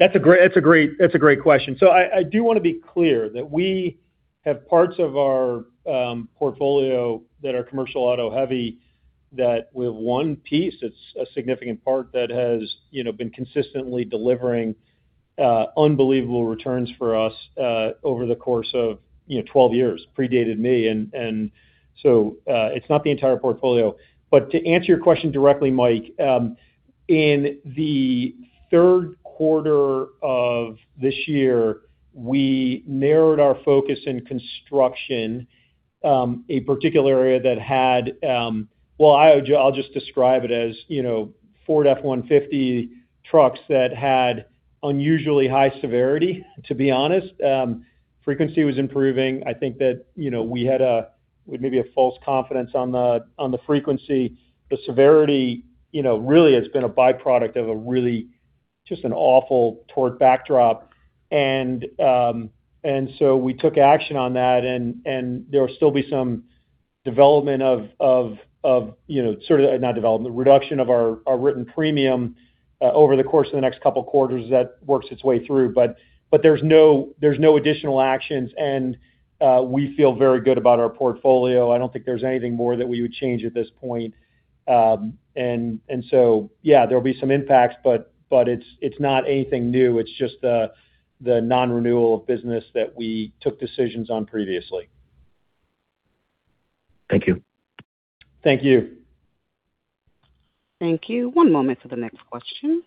That's a great question. I do want to be clear that we have parts of our portfolio that are commercial auto heavy, that with one piece, it's a significant part that has, you know, been consistently delivering unbelievable returns for us over the course of, you know, 12 years. Predated me, it's not the entire portfolio. To answer your question directly, Mike, in the third quarter of this year, we narrowed our focus in construction, a particular area that had. Well, I'll just describe it as, you know, Ford F-150 trucks that had unusually high severity, to be honest. Frequency was improving. I think that, you know, we had a, maybe a false confidence on the frequency. The severity, you know, really has been a byproduct of a really just an awful tort backdrop. So we took action on that, there will still be some development of, you know, not development, reduction of our written premium over the course of the next couple of quarters that works its way through. But there's no additional actions, and we feel very good about our portfolio. I don't think there's anything more that we would change at this point. Yeah, there will be some impacts, but it's not anything new. It's just the non-renewal of business that we took decisions on previously. Thank you. Thank you. Thank you. One moment for the next question.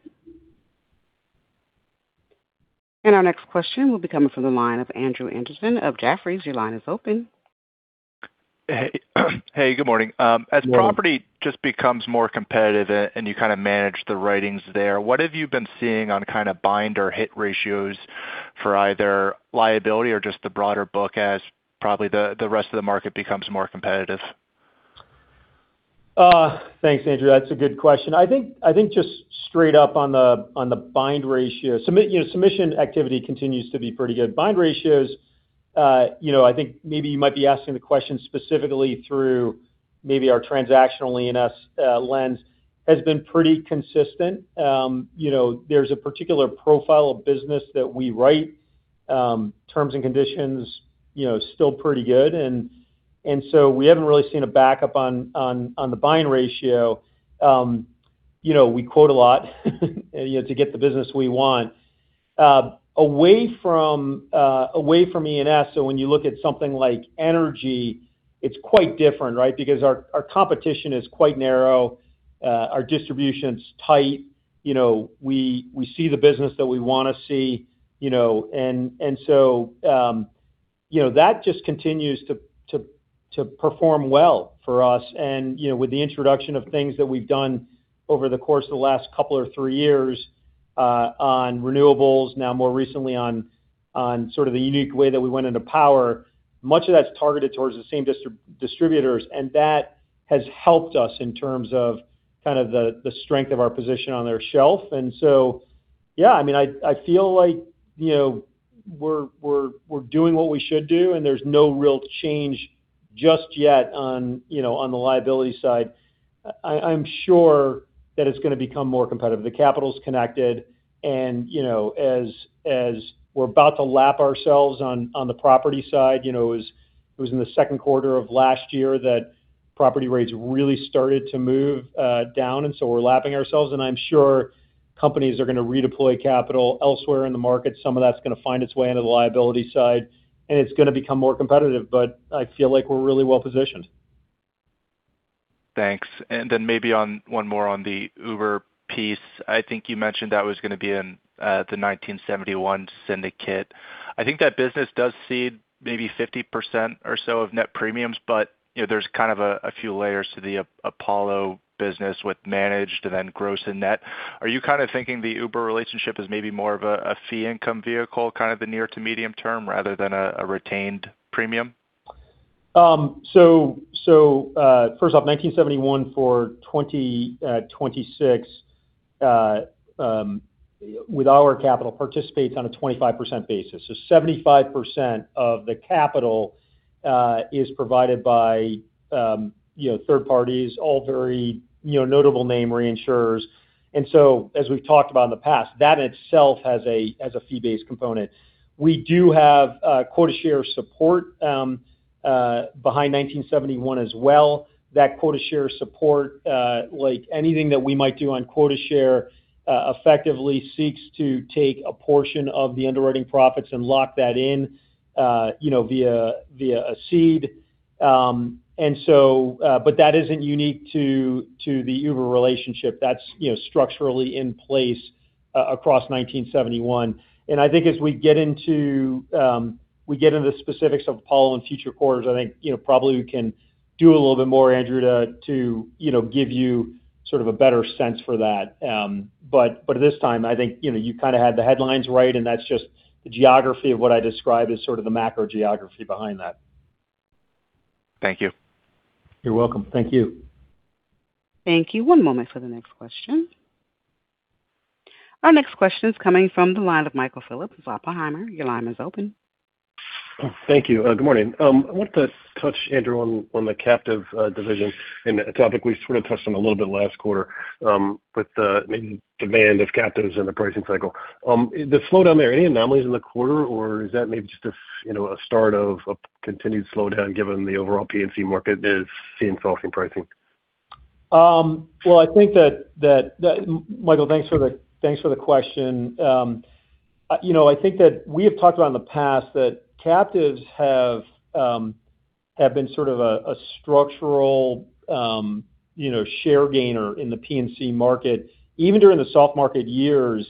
Our next question will be coming from the line of Andrew Andersen of Jefferies. Your line is open. Hey, hey, good morning. Good morning. As property just becomes more competitive and you kind of manage the writings there, what have you been seeing on kind of bind or hit ratios for either liability or just the broader book as probably the rest of the market becomes more competitive? Thanks, Andrew. That's a good question. I think just straight up on the bind ratio. You know, submission activity continues to be pretty good. Bind ratios, you know, I think maybe you might be asking the question specifically through maybe our transactional E&S lens, has been pretty consistent. You know, there's a particular profile of business that we write, terms and conditions, you know, still pretty good. We haven't really seen a backup on the bind ratio. You know, we quote a lot, you know, to get the business we want. Away from E&S, when you look at something like energy, it's quite different, right? Our competition is quite narrow. Our distribution's tight. You know, we see the business that we want to see, you know, that just continues to perform well for us. You know, with the introduction of things that we've done over the course of the last couple or three years, on renewables, now more recently on sort of the unique way that we went into power, much of that's targeted towards the same distributors, and that has helped us in terms of kind of the strength of our position on their shelf. Yeah, I mean, I feel like, you know, we're doing what we should do, and there's no real change just yet on, you know, on the liability side. I'm sure that it's going to become more competitive. The capital's connected, and, you know, as we're about to lap ourselves on the property side, you know, it was in the second quarter of last year that property rates really started to move down, and so we're lapping ourselves, and I'm sure companies are going to redeploy capital elsewhere in the market. Some of that's going to find its way into the liability side, and it's going to become more competitive, but I feel like we're really well positioned. Thanks. Maybe one more on the Uber piece. I think you mentioned that was going to be in the 1971 syndicate. I think that business does cede maybe 50% or so of net premiums, you know, there's kind of a few layers to the Apollo business with managed and then gross and net. Are you kind of thinking the Uber relationship is maybe more of a fee income vehicle, kind of the near to medium term, rather than a retained premium?... so, first off, 1971 for 2026 with our capital participates on a 25% basis. Seventy-five percent of the capital is provided by, you know, third parties, all very, you know, notable name reinsurers. As we've talked about in the past, that itself has a fee-based component. We do have a quota share support behind 1971 as well. That quota share support, like anything that we might do on quota share, effectively seeks to take a portion of the underwriting profits and lock that in, you know, via a cede. That isn't unique to the Uber relationship. That's, you know, structurally in place across 1971. I think as we get into, we get into the specifics of Apollo in future quarters, I think, you know, probably we can do a little bit more, Andrew, to, you know, give you sort of a better sense for that. At this time, I think, you know, you kind of had the headlines right, and that's just the geography of what I described as sort of the macro geography behind that. Thank you. You're welcome. Thank you. Thank you. One moment for the next question. Our next question is coming from the line of Michael Phillips of Oppenheimer. Your line is open. Thank you. Good morning. I want to touch, Andrew, on the captive division, and a topic we sort of touched on a little bit last quarter, with the maybe demand of captives and the pricing cycle. The slowdown there, any anomalies in the quarter, or is that maybe just a, you know, a start of a continued slowdown, given the overall P&C market is seeing softening pricing? Well, I think that Michael, thanks for the question. you know, I think that we have talked about in the past that captives have been sort of a structural, you know, share gainer in the P&C market. Even during the soft market years,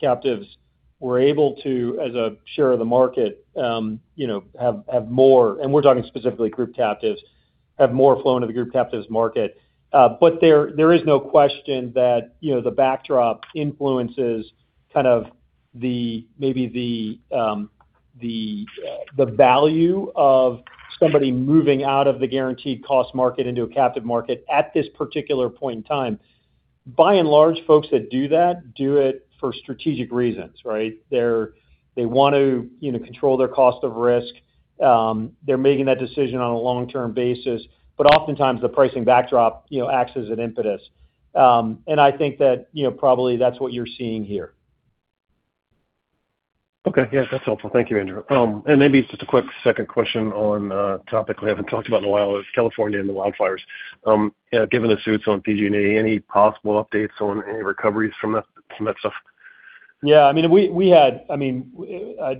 captives were able to, as a share of the market, you know, have more, and we're talking specifically group captives, have more flow into the group captives market. there is no question that, you know, the backdrop influences kind of the, maybe the value of somebody moving out of the guaranteed cost market into a captive market at this particular point in time. By and large, folks that do that, do it for strategic reasons, right? They want to, you know, control their cost of risk. They're making that decision on a long-term basis, but oftentimes the pricing backdrop, you know, acts as an impetus. I think that, you know, probably that's what you're seeing here. Okay. Yeah, that's helpful. Thank you, Andrew. Maybe just a quick second question on a topic we haven't talked about in a while is California and the wildfires. Given the suits on PG&E, any possible updates on any recoveries from that stuff? Yeah, I mean, I mean,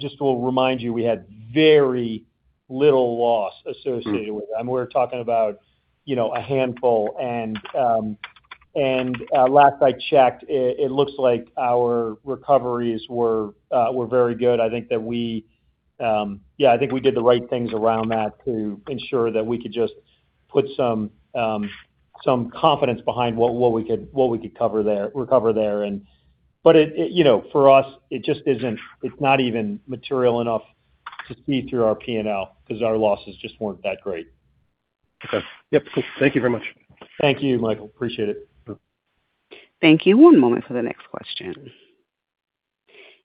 just to remind you, we had very little loss associated with it. Mm. We're talking about, you know, a handful. last I checked, it looks like our recoveries were very good. I think that we, yeah, I think we did the right things around that to ensure that we could just put some confidence behind what we could recover there. It, you know, for us, it's not even material enough to see through our P&L because our losses just weren't that great. Okay. Yep, thank you very much. Thank you, Michael. Appreciate it. Thank you. One moment for the next question.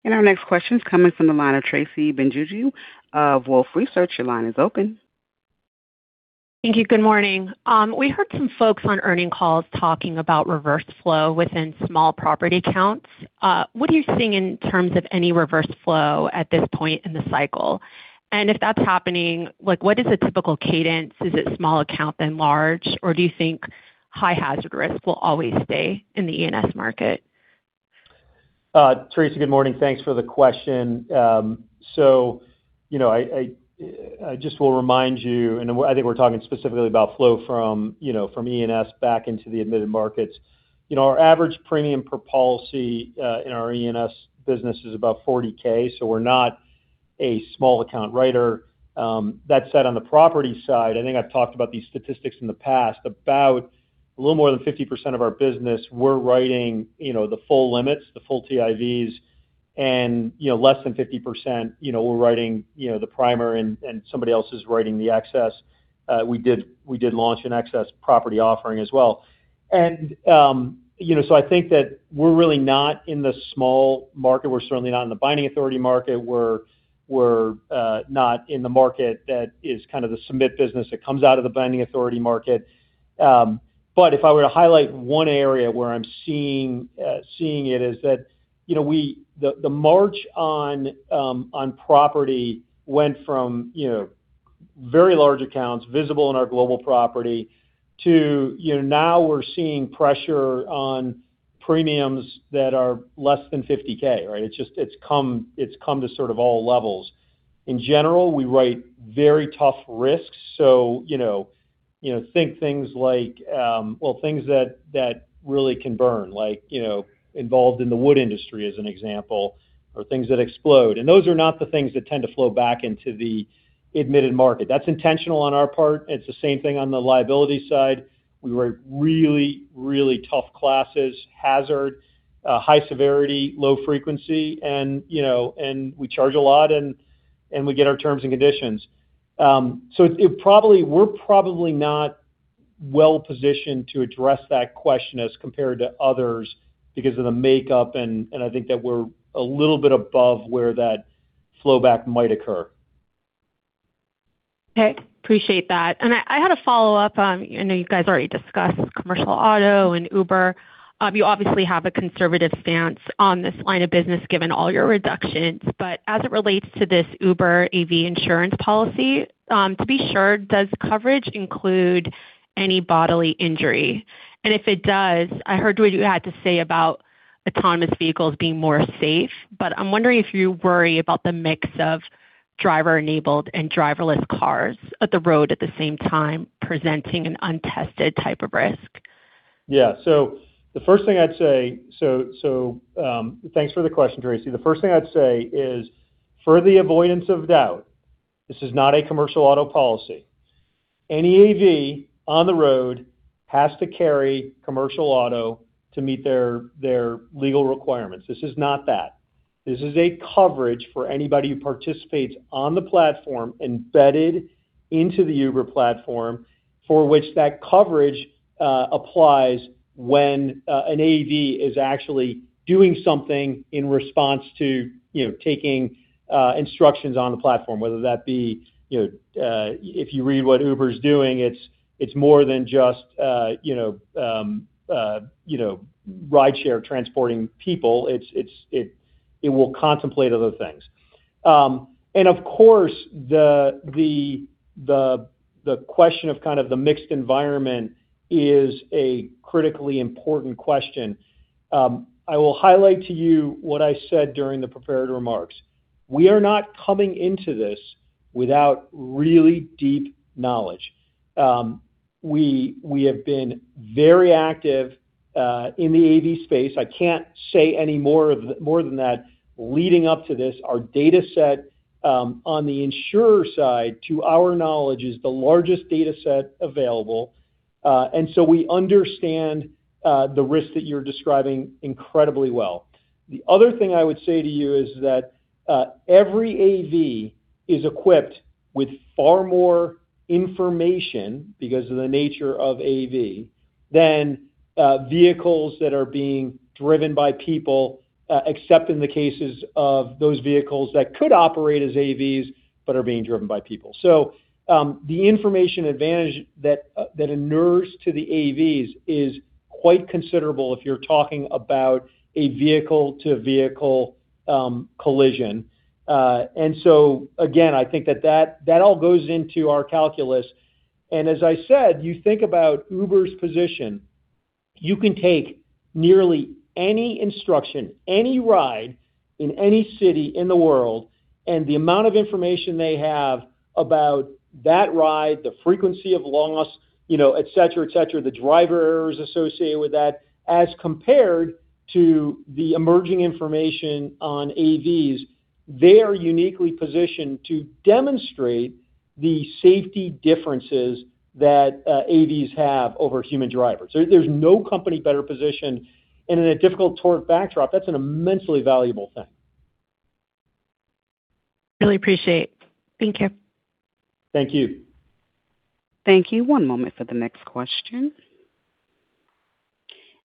Our next question is coming from the line of Tracy Benguigui of Wolfe Research. Your line is open. Thank you. Good morning. We heard some folks on earnings calls talking about reverse flow within small property counts. What are you seeing in terms of any reverse flow at this point in the cycle? If that's happening, like, what is the typical cadence? Is it small account than large, or do you think high hazard risk will always stay in the E&S market? Tracy, good morning. Thanks for the question. You know, I, I just will remind you, and I think we're talking specifically about flow from, you know, from E&S back into the admitted markets. You know, our average premium per policy in our E&S business is about $40 K, we're not a small account writer. That said, on the property side, I think I've talked about these statistics in the past. About a little more than 50% of our business, we're writing, you know, the full limits, the full DIVs, and, you know, less than 50%, you know, we're writing, you know, the primer, and somebody else is writing the excess. We did launch an excess property offering as well. You know, I think that we're really not in the small market. We're certainly not in the binding authority market. We're not in the market that is kind of the submit business that comes out of the binding authority market. But if I were to highlight one area where I'm seeing seeing it is that, you know, the march on property went from, you know, very large accounts, visible in our Global Property, to, you know, now we're seeing pressure on premiums that are less than $50 K, right? It's come to sort of all levels. In general, we write very tough risks. You know, think things like Well, things that really can burn, like, you know, involved in the wood industry, as an example, or things that explode. Those are not the things that tend to flow back into the admitted market. That's intentional on our part. It's the same thing on the liability side. We write really, really tough classes: hazard, high severity, low frequency, and, you know, and we charge a lot, and we get our terms and conditions. It probably we're probably not well positioned to address that question as compared to others because of the makeup, and I think that we're a little bit above where that flow back might occur. Okay, appreciate that. I had a follow-up on, I know you guys already discussed commercial auto and Uber. You obviously have a conservative stance on this line of business, given all your reductions. As it relates to this Uber AV insurance policy, to be sure, does coverage include any bodily injury? If it does, I heard what you had to say about autonomous vehicles being more safe, but I'm wondering if you worry about the mix of driver-enabled and driverless cars at the road at the same time, presenting an untested type of risk. Yeah. Thanks for the question, Tracy. The first thing I'd say is, for the avoidance of doubt, this is not a commercial auto policy. Any AV on the road has to carry commercial auto to meet their legal requirements. This is not that. This is a coverage for anybody who participates on the platform, embedded into the Uber platform, for which that coverage applies when an AV is actually doing something in response to, you know, taking instructions on the platform, whether that be, you know, if you read what Uber is doing, it's more than just, you know, rideshare transporting people. It's. It will contemplate other things. Of course, the question of kind of the mixed environment is a critically important question. I will highlight to you what I said during the prepared remarks. We are not coming into this without really deep knowledge. We have been very active in the AV space. I can't say any more than that. Leading up to this, our dataset on the insurer side, to our knowledge, is the largest dataset available, and so we understand the risk that you're describing incredibly well. The other thing I would say to you is that every AV is equipped with far more information, because of the nature of AV, than vehicles that are being driven by people, except in the cases of those vehicles that could operate as AVs, but are being driven by people. The information advantage that inures to the AVs is quite considerable if you're talking about a vehicle-to-vehicle collision. Again, I think that all goes into our calculus. As I said, you think about Uber's position. You can take nearly any instruction, any ride in any city in the world, and the amount of information they have about that ride, the frequency of loss, you know, et cetera, et cetera, the driver errors associated with that, as compared to the emerging information on AVs, they are uniquely positioned to demonstrate the safety differences that, AVs have over human drivers. There's no company better positioned. In a difficult tort backdrop, that's an immensely valuable thing. Really appreciate. Thank you. Thank you. Thank you. One moment for the next question.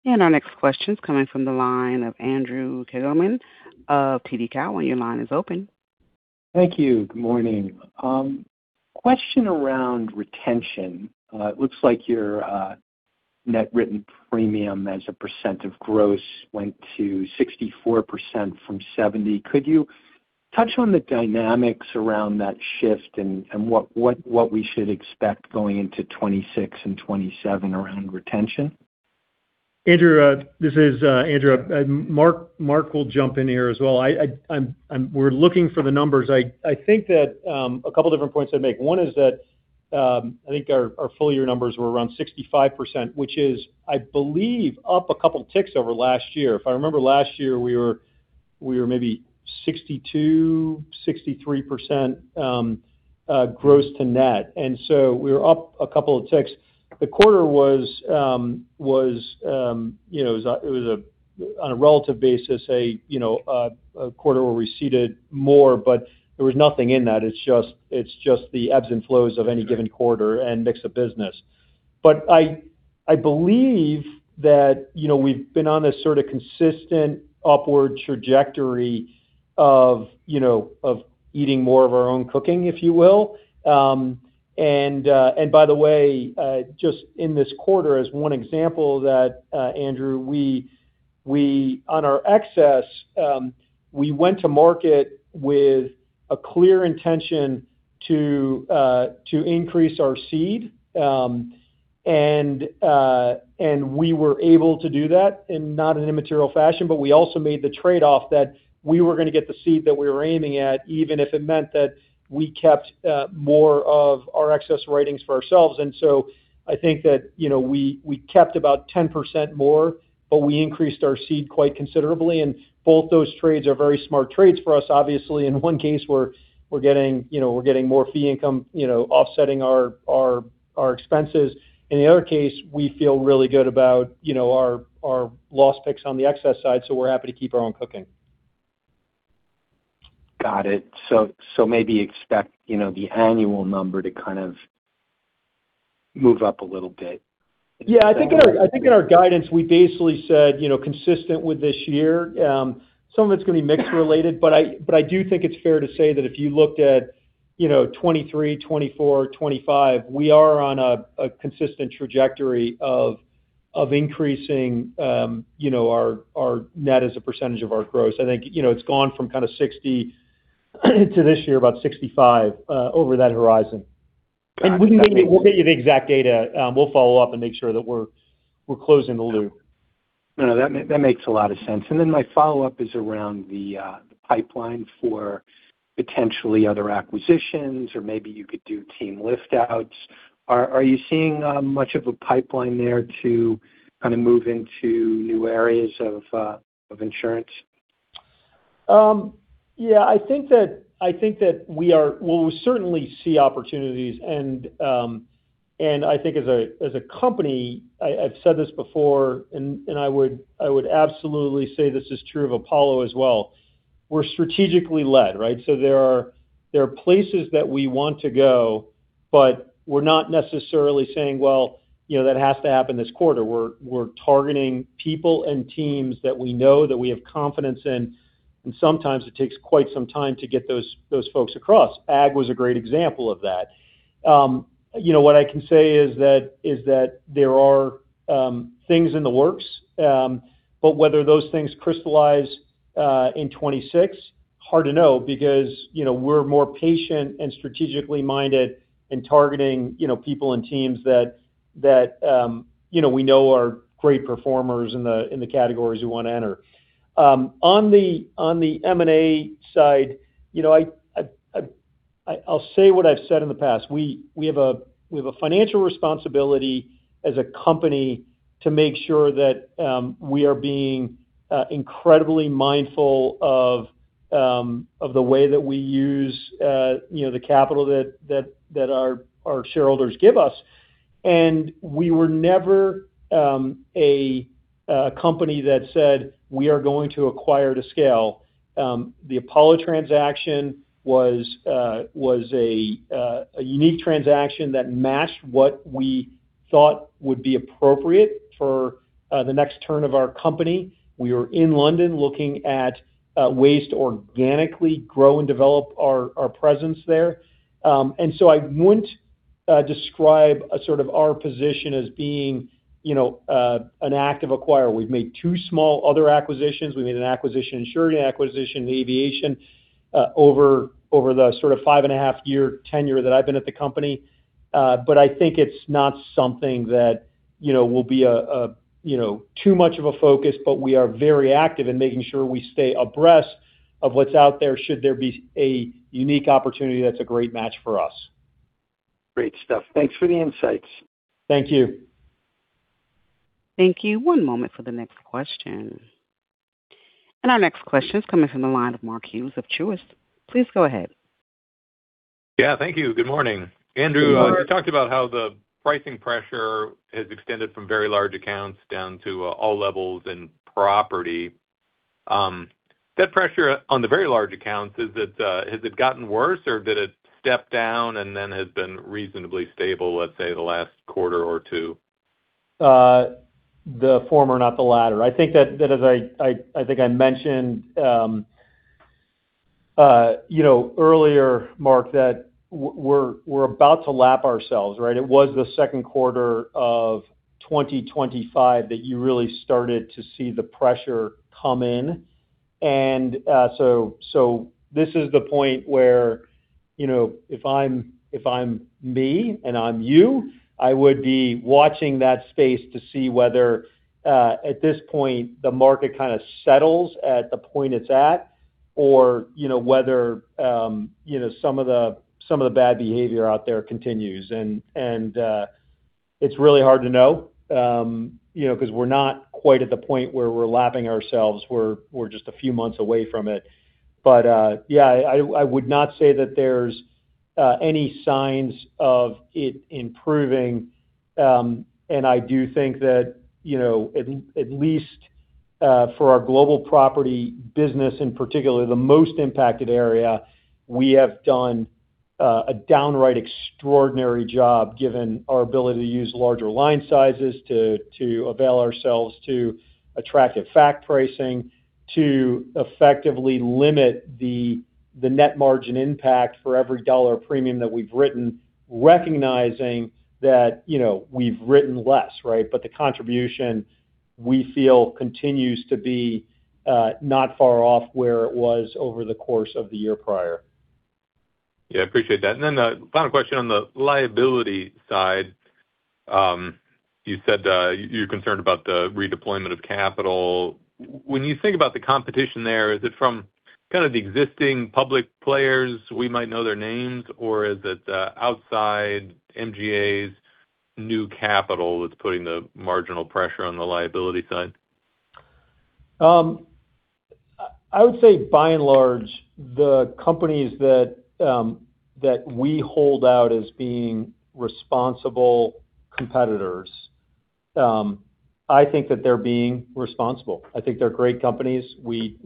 Our next question is coming from the line of Andrew Kligerman of TD Cowen. Your line is open. Thank you. Good morning. Question around retention. It looks like your net written premium as a percent of gross went to 64% from 70%. Could you touch on the dynamics around that shift and what we should expect going into 2026 and 2027 around retention? Andrew, this is Andrew. Mark will jump in here as well. I'm looking for the numbers. I think that a couple different points I'd make. One is that I think our full year numbers were around 65%, which is, I believe, up a couple ticks over last year. If I remember last year, we were maybe 62%-63% gross to net, we were up a couple of ticks. The quarter was, you know, it was a, on a relative basis, a quarter where we ceded more, there was nothing in that. It's just the ebbs and flows of any given quarter and mix of business. I believe that, you know, we've been on a sort of consistent upward trajectory of, you know, of eating more of our own cooking, if you will. By the way, just in this quarter, as one example that, Andrew, we, on our excess, we went to market with a clear intention to increase our cede, and we were able to do that in not an immaterial fashion, but we also made the trade-off that we were going to get the cede that we were aiming at, even if it meant that we kept, more of our excess writings for ourselves. I think that, you know, we kept about 10% more, but we increased our cede quite considerably, and both those trades are very smart trades for us. Obviously, in one case, we're getting, you know, we're getting more fee income, you know, offsetting our expenses. In the other case, we feel really good about, you know, our loss picks on the excess side, so we're happy to keep our own cooking. Got it. Maybe expect, you know, the annual number to kind of move up a little bit? Yeah, I think in our guidance, we basically said, you know, consistent with this year, some of it's going to be mix related. I do think it's fair to say that if you looked at, you know, 2023, 2024, 2025, we are on a consistent trajectory of increasing, you know, our net as a percentage of our gross. I think, you know, it's gone from kind of 60% to this year, about 65%, over that horizon. Got it. We'll get you the exact data. We'll follow up and make sure that we're closing the loop. No, that makes a lot of sense. My follow-up is around the pipeline for potentially other acquisitions, or maybe you could do team lift outs. Are you seeing much of a pipeline there to kind of move into new areas of insurance? Yeah, I think that we are. Well, we certainly see opportunities. I think as a company, I've said this before, and I would absolutely say this is true of Apollo as well. We're strategically led, right? There are places that we want to go, but we're not necessarily saying, well, you know, that has to happen this quarter. We're targeting people and teams that we know, that we have confidence in, and sometimes it takes quite some time to get those folks across. Ag was a great example of that. you know, what I can say is that there are things in the works, but whether those things crystallize in 2026, hard to know, because, you know, we're more patient and strategically minded in targeting, you know, people and teams that we know are great performers in the categories we want to enter. on the M&A side, you know, I'll say what I've said in the past. We have a financial responsibility as a company to make sure that we are being incredibly mindful of the way that we use, you know, the capital that our shareholders give us. We were never a company that said we are going to acquire to scale. The Apollo transaction was a unique transaction that matched what we thought would be appropriate for the next turn of our company. We were in London looking at ways to organically grow and develop our presence there. I wouldn't describe a sort of our position as being, you know, an active acquirer. We've made two small other acquisitions. We made an acquisition, insurance acquisition in aviation, over the sort of five and a half year tenure that I've been at the company. I think it's not something that, you know, will be a, you know, too much of a focus, but we are very active in making sure we stay abreast of what's out there, should there be a unique opportunity that's a great match for us. Great stuff. Thanks for the insights. Thank you. Thank you. One moment for the next question. Our next question is coming from the line of Mark Hughes of Truist. Please go ahead. Yeah, thank you. Good morning. Good morning. Andrew, you talked about how the pricing pressure has extended from very large accounts down to all levels and property. That pressure on the very large accounts, is it has it gotten worse, or did it step down and then has been reasonably stable, let's say, the last quarter or two? The former, not the latter. I think that as I think I mentioned, you know, earlier, Mark, that we're about to lap ourselves, right? It was the second quarter of 2025 that you really started to see the pressure come in. This is the point where, you know, if I'm, if I'm me and I'm you, I would be watching that space to see whether at this point, the market kind of settles at the point it's at, or, you know, whether, you know, some of the bad behavior out there continues. It's really hard to know, you know, because we're not quite at the point where we're lapping ourselves. We're just a few months away from it. Yeah, I would not say that there's any signs of it improving. I do think that, you know, at least for our Global Property business, in particular, the most impacted area, we have done a downright extraordinary job, given our ability to use larger line sizes, to avail ourselves to attractive fac pricing, to effectively limit the net margin impact for every dollar of premium that we've written, recognizing that, you know, we've written less, right? The contribution, we feel, continues to be not far off where it was over the course of the year prior. Yeah, appreciate that. The final question on the liability side. You said you're concerned about the redeployment of capital. When you think about the competition there, is it from kind of the existing public players, we might know their names, or is it outside MGAs new capital that's putting the marginal pressure on the liability side? I would say by and large, the companies that we hold out as being responsible competitors. I think that they're being responsible. I think they're great companies. We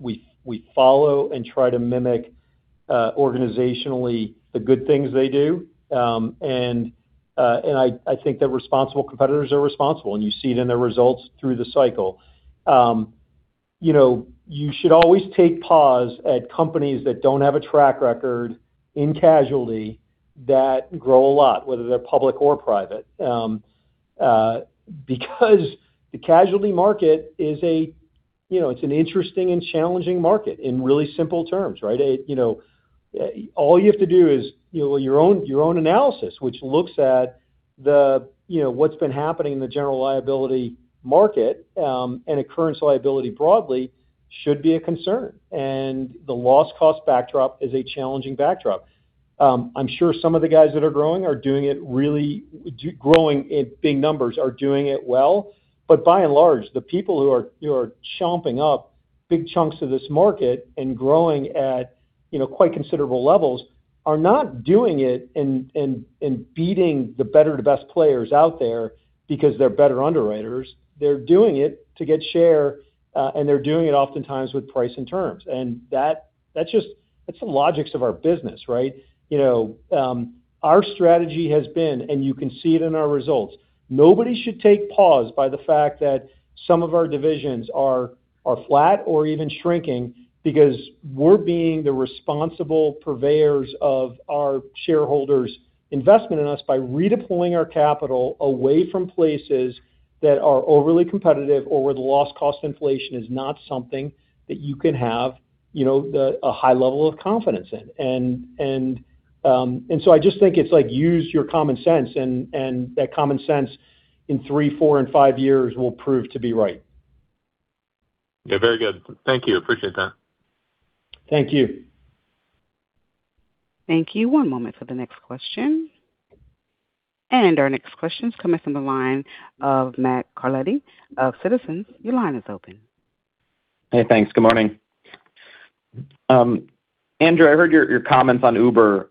follow and try to mimic, organizationally, the good things they do. I think that responsible competitors are responsible, and you see it in their results through the cycle. You know, you should always take pause at companies that don't have a track record in casualty that grow a lot, whether they're public or private. The casualty market is a, you know, it's an interesting and challenging market in really simple terms, right? It, you know, all you have to do is, you know, your own, your own analysis, which looks at the, you know, what's been happening in the general liability market, and occurrence liability broadly, should be a concern. The loss cost backdrop is a challenging backdrop. I'm sure some of the guys that are growing in big numbers are doing it well. By and large, the people who are chomping up big chunks of this market and growing at, you know, quite considerable levels, are not doing it and beating the better, the best players out there because they're better underwriters. They're doing it to get share, and they're doing it oftentimes with price and terms. That's just. That's the logics of our business, right? You know, our strategy has been, you can see it in our results. Nobody should take pause by the fact that some of our divisions are flat or even shrinking, because we're being the responsible purveyors of our shareholders' investment in us by redeploying our capital away from places that are overly competitive or where the loss cost inflation is not something that you can have, you know, a high level of confidence in. I just think it's like, use your common sense, that common sense in three, four, and five years will prove to be right. Yeah, very good. Thank you. Appreciate that. Thank you. Thank you. One moment for the next question. Our next question is coming from the line of Matthew Carletti of Citizens. Your line is open. Hey, thanks. Good morning. Andrew, I heard your comments on Uber.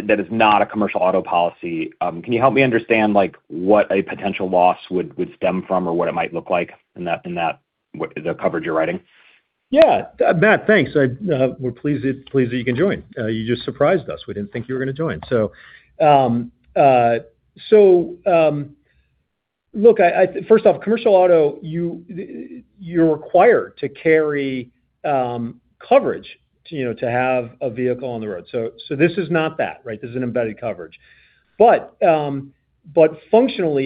That is not a commercial auto policy. Can you help me understand, like, what a potential loss would stem from or what it might look like in that, what, the coverage you're writing? Yeah. Matt, thanks. I, we're pleased that you can join. You just surprised us. We didn't think you were going to join. Look, first off, commercial auto, you're required to carry coverage, to, you know, to have a vehicle on the road. This is not that, right? This is an embedded coverage. Functionally,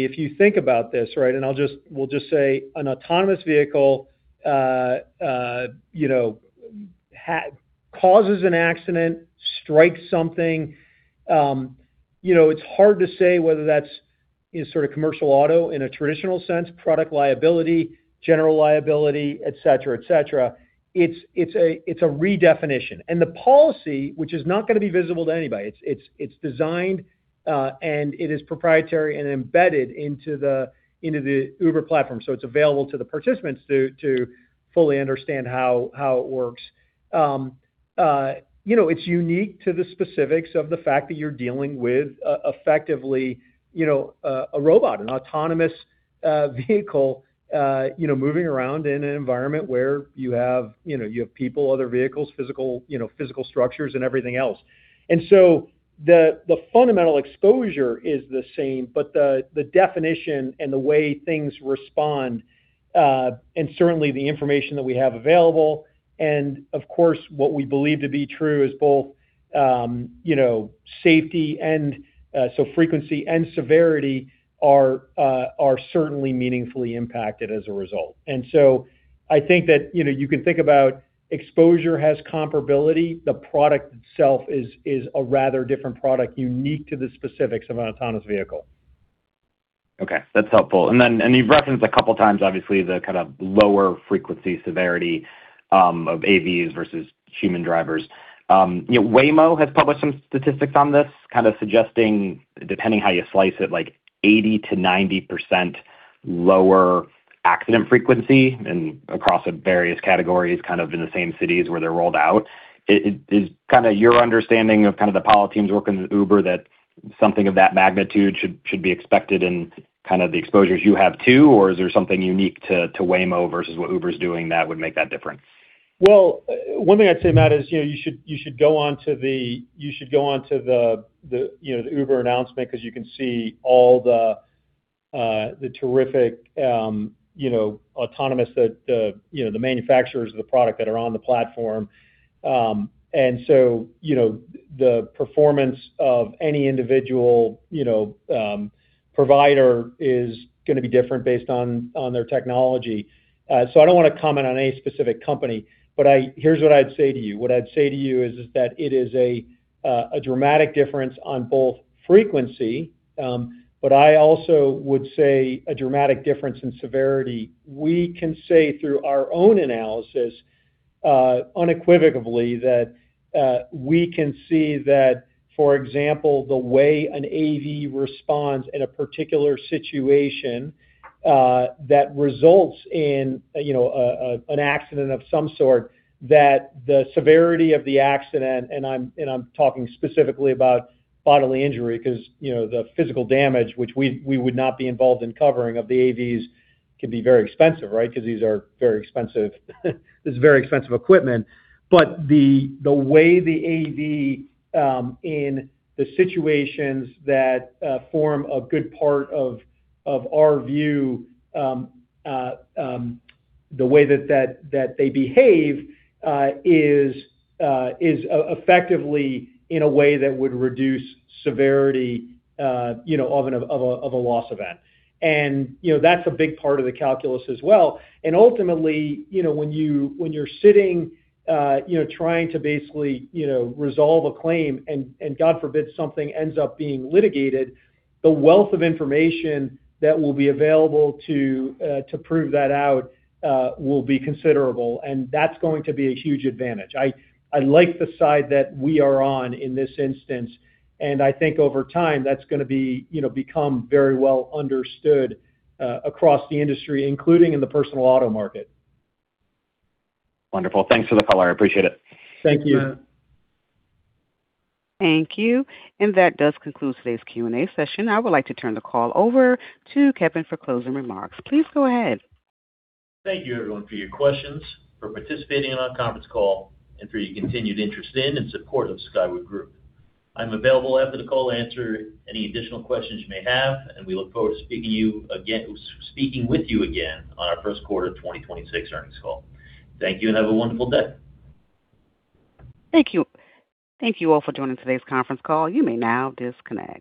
if you think about this, right, and we'll just say an autonomous vehicle, you know, causes an accident, strikes something, you know, it's hard to say whether that's in sort of commercial auto in a traditional sense, product liability, general liability, et cetera, et cetera. It's a redefinition. The policy, which is not going to be visible to anybody, it's designed, and it is proprietary and embedded into the Uber platform, so it's available to the participants to fully understand how it works. You know, it's unique to the specifics of the fact that you're dealing with, effectively, you know, a robot, an autonomous vehicle, you know, moving around in an environment where you have, you know, you have people, other vehicles, physical, you know, physical structures and everything else. The fundamental exposure is the same, but the definition and the way things respond, and certainly the information that we have available, and of course, what we believe to be true is both, you know, safety and so frequency and severity are certainly meaningfully impacted as a result. I think that, you know, you can think about exposure has comparability. The product itself is a rather different product, unique to the specifics of an autonomous vehicle. Okay, that's helpful. You've referenced a couple of times, obviously, the kind of lower frequency severity of AVs versus human drivers. You know, Waymo has published some statistics on this, kind of suggesting, depending how you slice it, like 80%-90% lower accident frequency and across various categories, kind of in the same cities where they're rolled out. Is kind of your understanding of kind of the policy teams working with Uber that something of that magnitude should be expected in kind of the exposures you have, too? Or is there something unique to Waymo versus what Uber is doing that would make that different? Well, one thing I'd say, Matt, is, you know, you should go on to the Uber announcement, because you can see all the terrific, you know, autonomous, the, you know, the manufacturers of the product that are on the platform. You know, the performance of any individual, you know, provider is going to be different based on their technology. I don't want to comment on any specific company, but here's what I'd say to you. What I'd say to you is that it is a dramatic difference on both frequency, I also would say a dramatic difference in severity. We can say through our own analysis, unequivocally, that we can see that, for example, the way an AV responds in a particular situation, that results in, you know, an accident of some sort, that the severity of the accident, and I'm talking specifically about bodily injury, because, you know, the physical damage, which we would not be involved in covering of the AVs, can be very expensive, right? Because these are very expensive, this is very expensive equipment. The way the AV in the situations that form a good part of our view, the way that they behave is effectively in a way that would reduce severity, you know, of a loss event. You know, that's a big part of the calculus as well. Ultimately, you know, when you, when you're sitting, you know, trying to basically, you know, resolve a claim, and God forbid, something ends up being litigated, the wealth of information that will be available to prove that out, will be considerable, and that's going to be a huge advantage. I like the side that we are on in this instance, and I think over time, that's going to be, you know, become very well understood, across the industry, including in the personal auto market. Wonderful. Thanks for the follow-up. I appreciate it. Thank you. Thank you. That does conclude today's Q&A session. I would like to turn the call over to Kevin for closing remarks. Please go ahead. Thank you, everyone, for your questions, for participating in our conference call, and for your continued interest in and support of Skyward Group. I'm available after the call to answer any additional questions you may have. We look forward to speaking with you again on our first quarter of 2026 earnings call. Thank you. Have a wonderful day. Thank you. Thank you all for joining today's conference call. You may now disconnect.